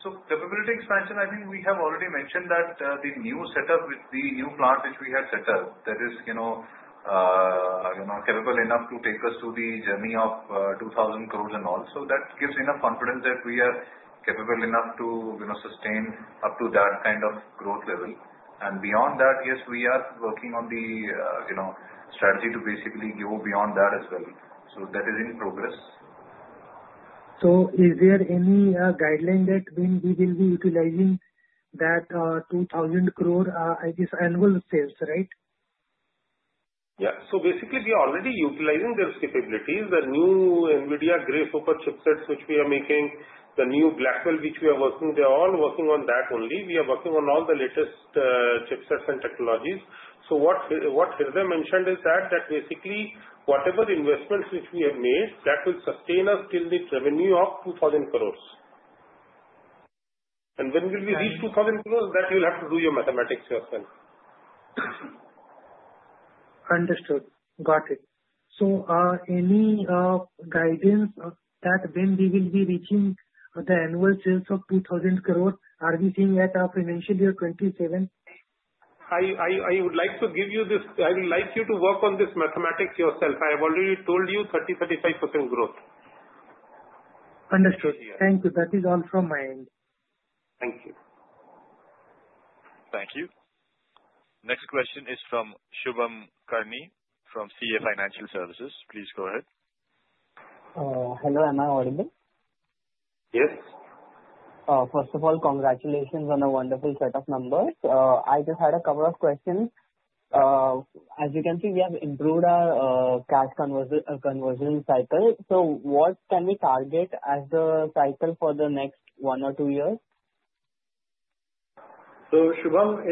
So, capability expansion. I think we have already mentioned that the new setup with the new plant which we have set up, that is capable enough to take us to the journey of 2,000 crores and all. So that gives enough confidence that we are capable enough to sustain up to that kind of growth level. And beyond that, yes, we are working on the strategy to basically go beyond that as well. So that is in progress. Is there any guideline that means we will be utilizing that 2,000 crore at this annual sales, right? Yeah. So basically, we are already utilizing those capabilities. The new NVIDIA Grace Superchips, which we are making, the new Blackwell, which we are working, they're all working on that only. We are working on all the latest chipsets and technologies. So what Hirdey mentioned is that basically whatever investments which we have made, that will sustain us till the revenue of 2,000 crores. And when will we reach 2,000 crores? That you'll have to do your mathematics yourself. Understood. Got it, so any guidance that when we will be reaching the annual sales of 2,000 crore, are we seeing that our financial year 27? I would like you to work on this mathematics yourself. I have already told you 30%-35% growth. Understood. Thank you. That is all from my end. Thank you. Thank you. Next question is from Shubham Karnani from CA Financial Services. Please go ahead. Hello. Am I audible? Yes. First of all, congratulations on a wonderful set of numbers. I just had a couple of questions. As you can see, we have improved our cash conversion cycle. So what can we target as the cycle for the next one or two years? So Shubham,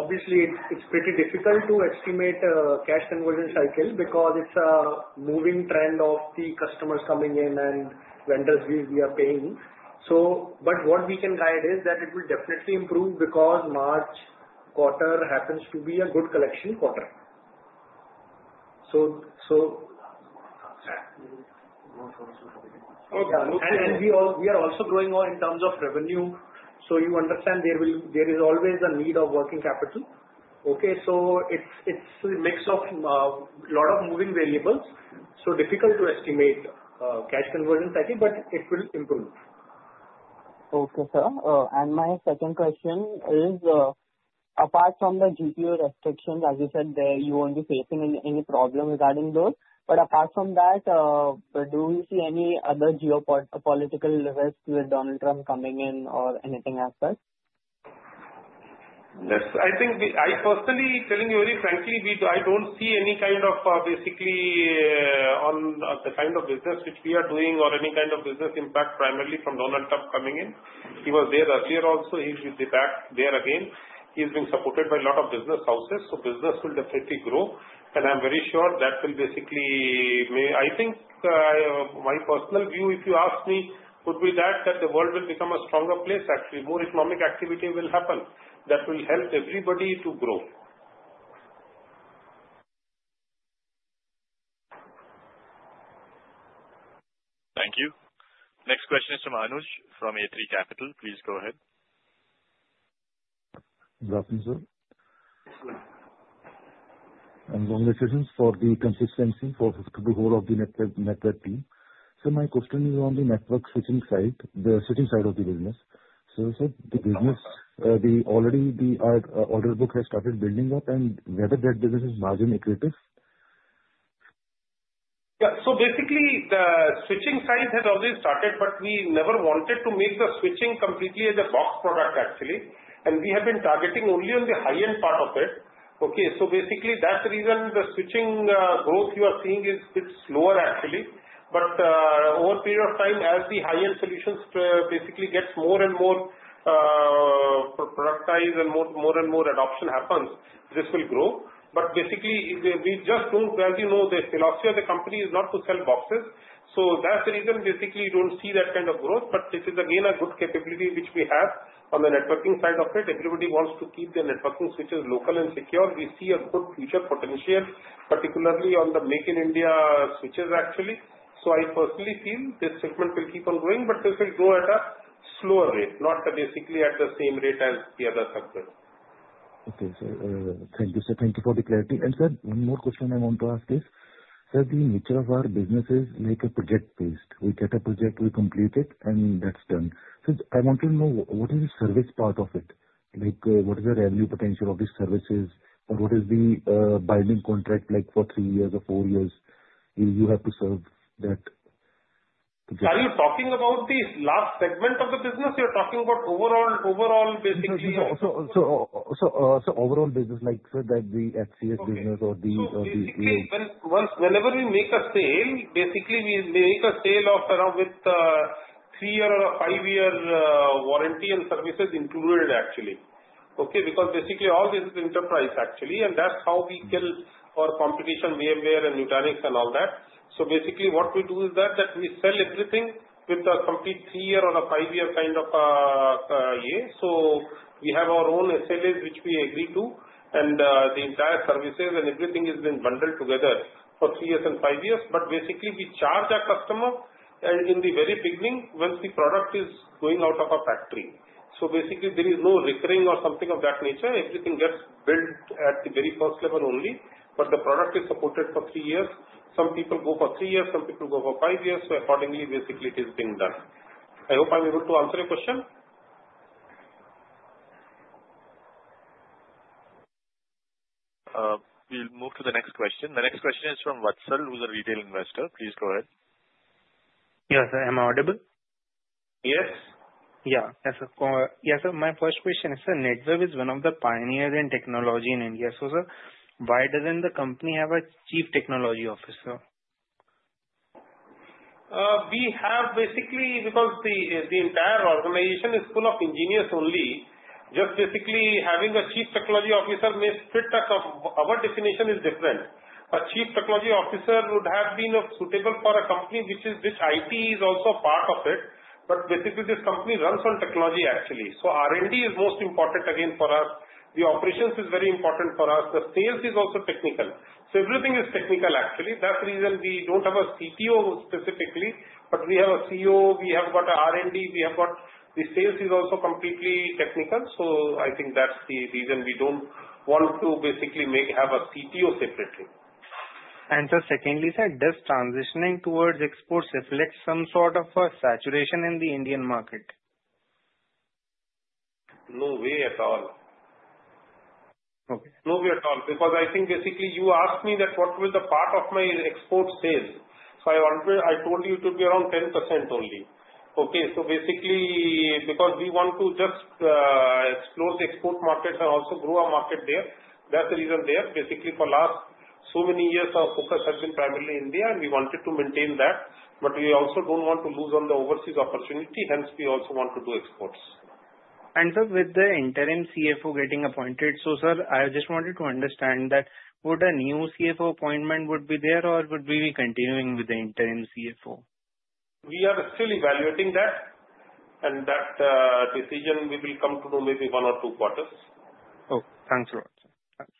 obviously, it's pretty difficult to estimate cash conversion cycle because it's a moving trend of the customers coming in and vendors we are paying. But what we can guide is that it will definitely improve because March quarter happens to be a good collection quarter. And we are also growing in terms of revenue. So you understand there is always a need of working capital. Okay. So it's a mix of a lot of moving variables. So difficult to estimate cash conversion cycle, but it will improve. Okay, sir. And my second question is, apart from the GPU restrictions, as you said, you won't be facing any problem regarding those. But apart from that, do we see any other geopolitical risks with Donald Trump coming in or anything else? Yes. I think I personally tell you very frankly, I don't see any kind of basically on the kind of business which we are doing or any kind of business impact primarily from Donald Trump coming in. He was there earlier also. He will be back there again. He has been supported by a lot of business houses. So business will definitely grow. And I'm very sure that will basically I think my personal view, if you ask me, would be that the world will become a stronger place. Actually, more economic activity will happen that will help everybody to grow. Thank you. Next question is from Anuj from A3 Capital. Please go ahead. Welcome, sir. I'm doing due diligence for the investment for the whole of the Netweb team, so my question is on the network switching side, the switching side of the business, so sir, the business, already the order book has started building up, and whether that business is margin accretive? Yeah. So basically, the switching side has already started, but we never wanted to make the switching completely as a box product actually. And we have been targeting only on the high-end part of it. Okay. So basically, that's the reason the switching growth you are seeing is a bit slower actually. But over a period of time, as the high-end solutions basically get more and more productized and more and more adoption happens, this will grow. But basically, we just don't, as you know, the philosophy of the company is not to sell boxes. So that's the reason basically you don't see that kind of growth. But it is again a good capability which we have on the networking side of it. Everybody wants to keep the networking switches local and secure. We see a good future potential, particularly on the Make in India switches actually. So I personally feel this segment will keep on growing, but this will grow at a slower rate, not basically at the same rate as the other segments. Okay, sir. Thank you, sir. Thank you for the clarity, and sir, one more question I want to ask is: Sir, the nature of our business is like a project based. We get a project, we complete it, and that's done. So I want to know what is the service part of it? What is the revenue potential of these services, or what is the binding contract like for three years or four years? You have to serve that. Are you talking about the last segment of the business? You're talking about overall basically? Overall business, like the HPC business or the. Whenever we make a sale, basically we make a sale of around with three-year or five-year warranty and services included actually. Okay. Because basically all this is enterprise actually, and that's how we kill our competition, VMware and Nutanix and all that. So basically what we do is that we sell everything with a complete three-year or a five-year kind of year. So we have our own SLAs which we agree to, and the entire services and everything has been bundled together for three years and five years. But basically we charge our customer in the very beginning once the product is going out of our factory. So basically there is no recurring or something of that nature. Everything gets built at the very first level only. But the product is supported for three years. Some people go for three years, some people go for five years. So accordingly, basically it is being done. I hope I'm able to answer your question. We'll move to the next question. The next question is from Vatsal, who's a retail investor. Please go ahead. Yes, sir. Am I audible? Yes. Yeah. Yes, sir. Yes, sir. My first question is, sir, Netweb is one of the pioneers in technology in India. So sir, why doesn't the company have a chief technology officer? We have basically because the entire organization is full of engineers only. Just basically having a chief technology officer may split us. Our definition is different. A chief technology officer would have been suitable for a company which IT is also a part of it. But basically this company runs on technology actually. So R&D is most important again for us. The operations is very important for us. The sales is also technical. So everything is technical actually. That's the reason we don't have a CTO specifically. But we have a CEO, we have got R&D, we have got the sales is also completely technical. So I think that's the reason we don't want to basically have a CTO separately. Sir, secondly, sir, does transitioning towards exports reflect some sort of saturation in the Indian market? No way at all. No way at all. Because I think basically you asked me that what will the part of my export sales. So I told you it would be around 10% only. Okay. So basically because we want to just explore the export markets and also grow our market there. That's the reason there. Basically for last so many years, our focus has been primarily India, and we wanted to maintain that. But we also don't want to lose on the overseas opportunity. Hence, we also want to do exports. And sir, with the interim CFO getting appointed, so sir, I just wanted to understand that would a new CFO appointment be there, or would we be continuing with the interim CFO? We are still evaluating that, and that decision, we will come to know maybe one or two quarters. Okay. Thanks a lot, sir. Thanks.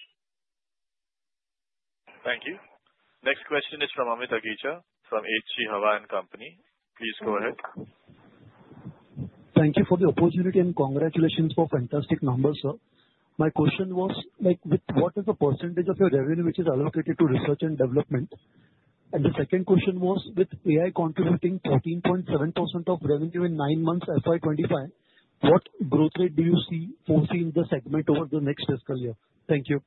Thank you. Next question is from Amit Agicha from H.G. Hawa & Co. Please go ahead. Thank you for the opportunity and congratulations for fantastic numbers, sir. My question was, what is the percentage of your revenue which is allocated to research and development? And the second question was, with AI contributing 14.7% of revenue in nine months FY25, what growth rate do you foresee in the segment over the next fiscal year? Thank you.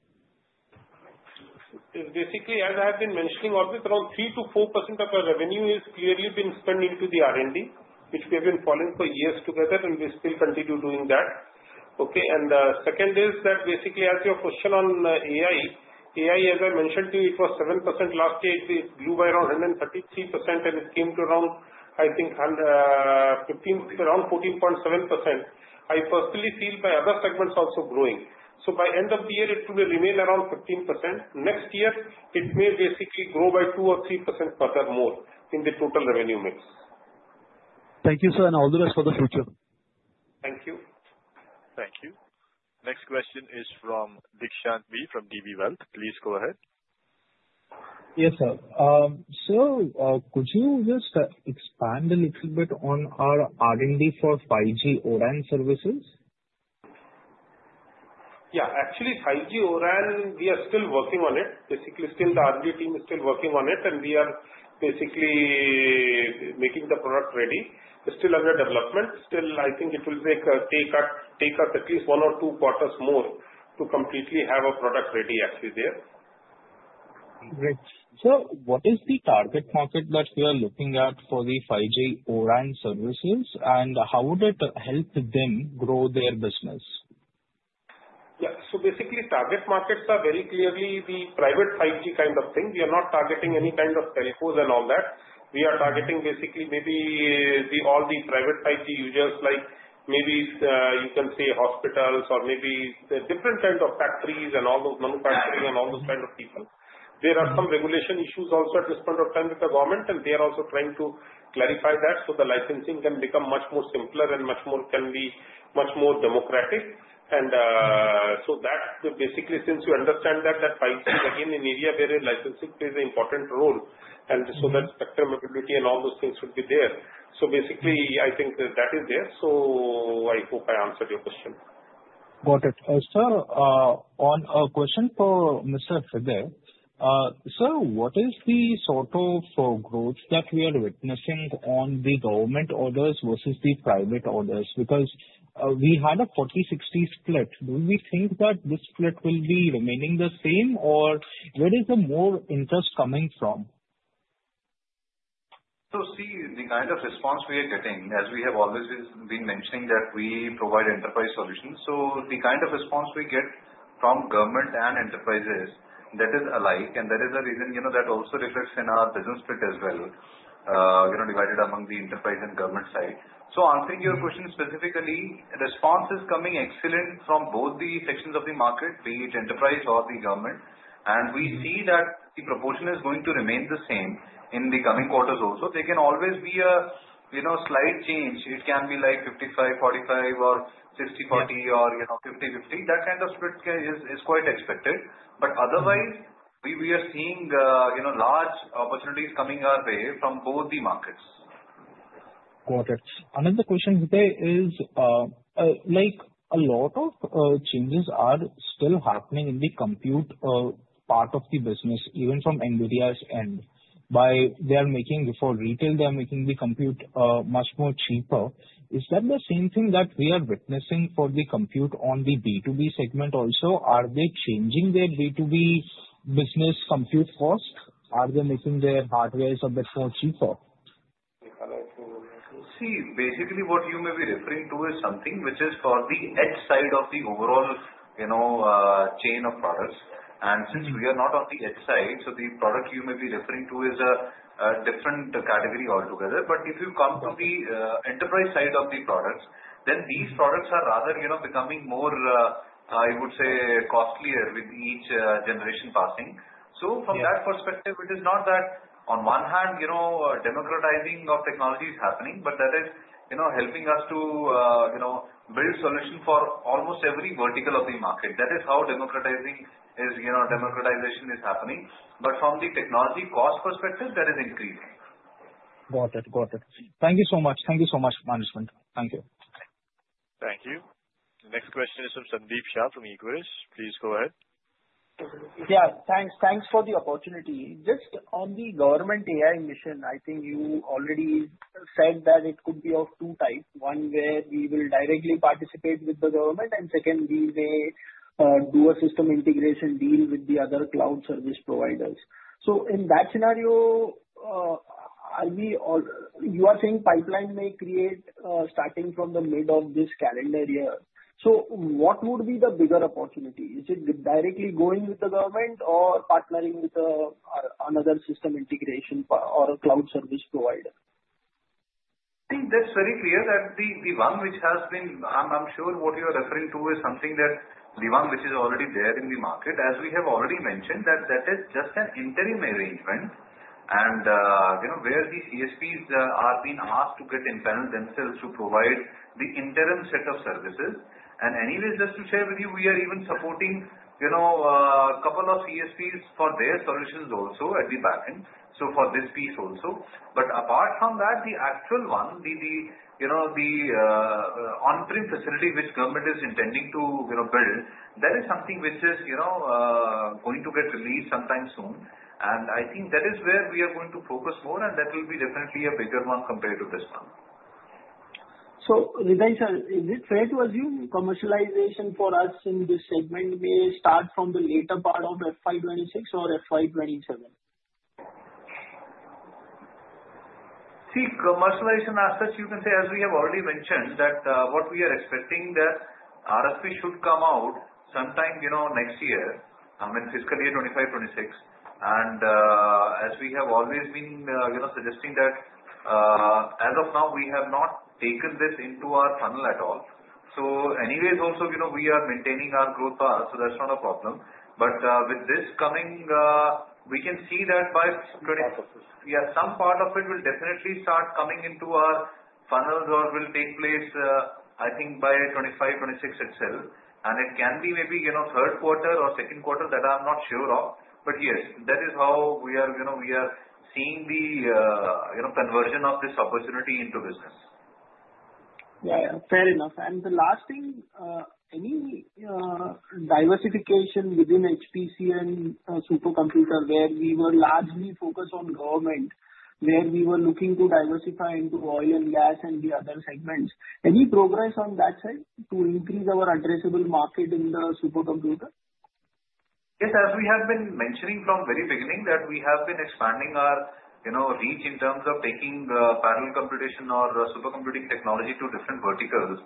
Basically, as I have been mentioning, almost around 3-4% of our revenue has clearly been spent into the R&D, which we have been following for years together, and we still continue doing that. Okay, and the second is that basically as your question on AI, AI, as I mentioned to you, it was 7% last year. It grew by around 133%, and it came to around, I think, around 14.7%. I personally feel by other segments also growing. So by end of the year, it will remain around 15%. Next year, it may basically grow by 2-3% further more in the total revenue mix. Thank you, sir. And all the best for the future. Thank you. Thank you. Next question is from Dikshan P from DB Wealth. Please go ahead. Yes, sir. Sir, could you just expand a little bit on our R&D for 5G O-RAN services? Yeah. Actually, 5G O-RAN, we are still working on it. Basically, still the R&D team is still working on it, and we are basically making the product ready. It's still under development. Still, I think it will take us at least one or two quarters more to completely have a product ready actually there. Great. Sir, what is the target market that you are looking at for the 5G O-RAN services, and how would it help them grow their business? Yeah. So basically, target markets are very clearly the private 5G kind of thing. We are not targeting any kind of telcos and all that. We are targeting basically maybe all the private 5G users, like maybe you can say hospitals or maybe different kinds of factories and all those manufacturing and all those kinds of people. There are some regulatory issues also at this point of time with the government, and they are also trying to clarify that so the licensing can become much more simpler and can be much more democratic, and so that basically, since you understand that, that 5G is again an area where licensing plays an important role, and so that spectrum ability and all those things should be there, so basically, I think that is there, so I hope I answered your question. Got it. Sir, one question for Mr. Hirdey. Sir, what is the sort of growth that we are witnessing on the government orders versus the private orders? Because we had a 40/60 split. Do we think that this split will be remaining the same, or where is the more interest coming from? So see, the kind of response we are getting, as we have always been mentioning, that we provide enterprise solutions. So the kind of response we get from government and enterprises, that is alike. And that is the reason that also reflects in our business split as well, divided among the enterprise and government side. So answering your question specifically, response is coming excellent from both the sections of the market, be it enterprise or the government. And we see that the proportion is going to remain the same in the coming quarters also. There can always be a slight change. It can be like 55-45, or 60-40, or 50-50. That kind of split is quite expected. But otherwise, we are seeing large opportunities coming our way from both the markets. Got it. Another question here is, a lot of changes are still happening in the compute part of the business, even from NVIDIA's end. They are making for retail, they are making the compute much more cheaper. Is that the same thing that we are witnessing for the compute on the B2B segment also? Are they changing their B2B business compute cost? Are they making their hardwares a bit more cheaper? See, basically what you may be referring to is something which is for the edge side of the overall chain of products. And since we are not on the edge side, so the product you may be referring to is a different category altogether. But if you come to the enterprise side of the products, then these products are rather becoming more, I would say, costlier with each generation passing. So from that perspective, it is not that on one hand, democratizing of technology is happening, but that is helping us to build solutions for almost every vertical of the market. That is how democratization is happening. But from the technology cost perspective, that is increasing. Got it. Got it. Thank you so much. Thank you so much, Management. Thank you. Thank you. Next question is from Sandeep Shah from Equirus. Please go ahead. Yeah. Thanks for the opportunity. Just on the government AI mission, I think you already said that it could be of two types. One where we will directly participate with the government, and second, we may do a system integration deal with the other cloud service providers. So in that scenario, you are saying pipeline may create starting from the mid of this calendar year. So what would be the bigger opportunity? Is it directly going with the government or partnering with another system integration or a cloud service provider? I think that's very clear that the one which has been. I'm sure what you are referring to is something that the one which is already there in the market, as we have already mentioned, that that is just an interim arrangement, and where the CSPs are being asked to get integrated themselves to provide the interim set of services, and anyways, just to share with you, we are even supporting a couple of CSPs for their solutions also at the backend, so for this piece also, but apart from that, the actual one, the on-prem facility which government is intending to build, that is something which is going to get released sometime soon, and I think that is where we are going to focus more, and that will be definitely a bigger one compared to this one. So Hirdey sir, is it fair to assume commercialization for us in this segment may start from the later part of FY26 or FY27? See, commercialization as such, you can say, as we have already mentioned, that what we are expecting that RFP should come out sometime next year, I mean, fiscal year 2025, 2026. And as we have always been suggesting that as of now, we have not taken this into our funnel at all. So anyways, also we are maintaining our growth path, so that's not a problem. But with this coming, we can see that by. Some part of it. Yeah, some part of it will definitely start coming into our funnels or will take place, I think, by 2025, 2026 itself. And it can be maybe third quarter or second quarter, that I'm not sure of. But yes, that is how we are seeing the conversion of this opportunity into business. Yeah. Fair enough. And the last thing, any diversification within HPC and supercomputer where we were largely focused on government, where we were looking to diversify into oil and gas and the other segments, any progress on that side to increase our addressable market in the supercomputer? Yes, as we have been mentioning from the very beginning that we have been expanding our reach in terms of taking parallel computation or supercomputing technology to different verticals.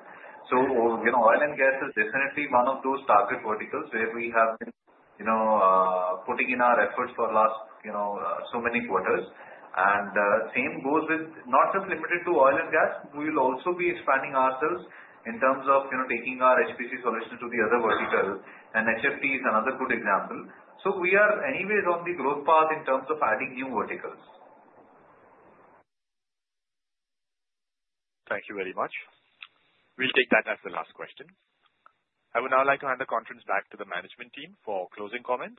So oil and gas is definitely one of those target verticals where we have been putting in our efforts for last so many quarters. And same goes with not just limited to oil and gas. We will also be expanding ourselves in terms of taking our HPC solutions to the other verticals. And HFT is another good example. So we are anyways on the growth path in terms of adding new verticals. Thank you very much. We'll take that as the last question. I would now like to hand the conference back to the management team for closing comments.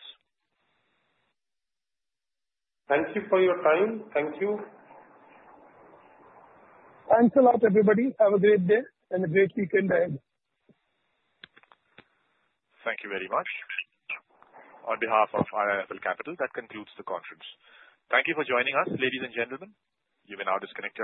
Thank you for your time. Thank you. Thanks a lot, everybody. Have a great day and a great weekend ahead. Thank you very much. On behalf of IIFL Capital, that concludes the conference. Thank you for joining us, ladies and gentlemen. You may now disconnect.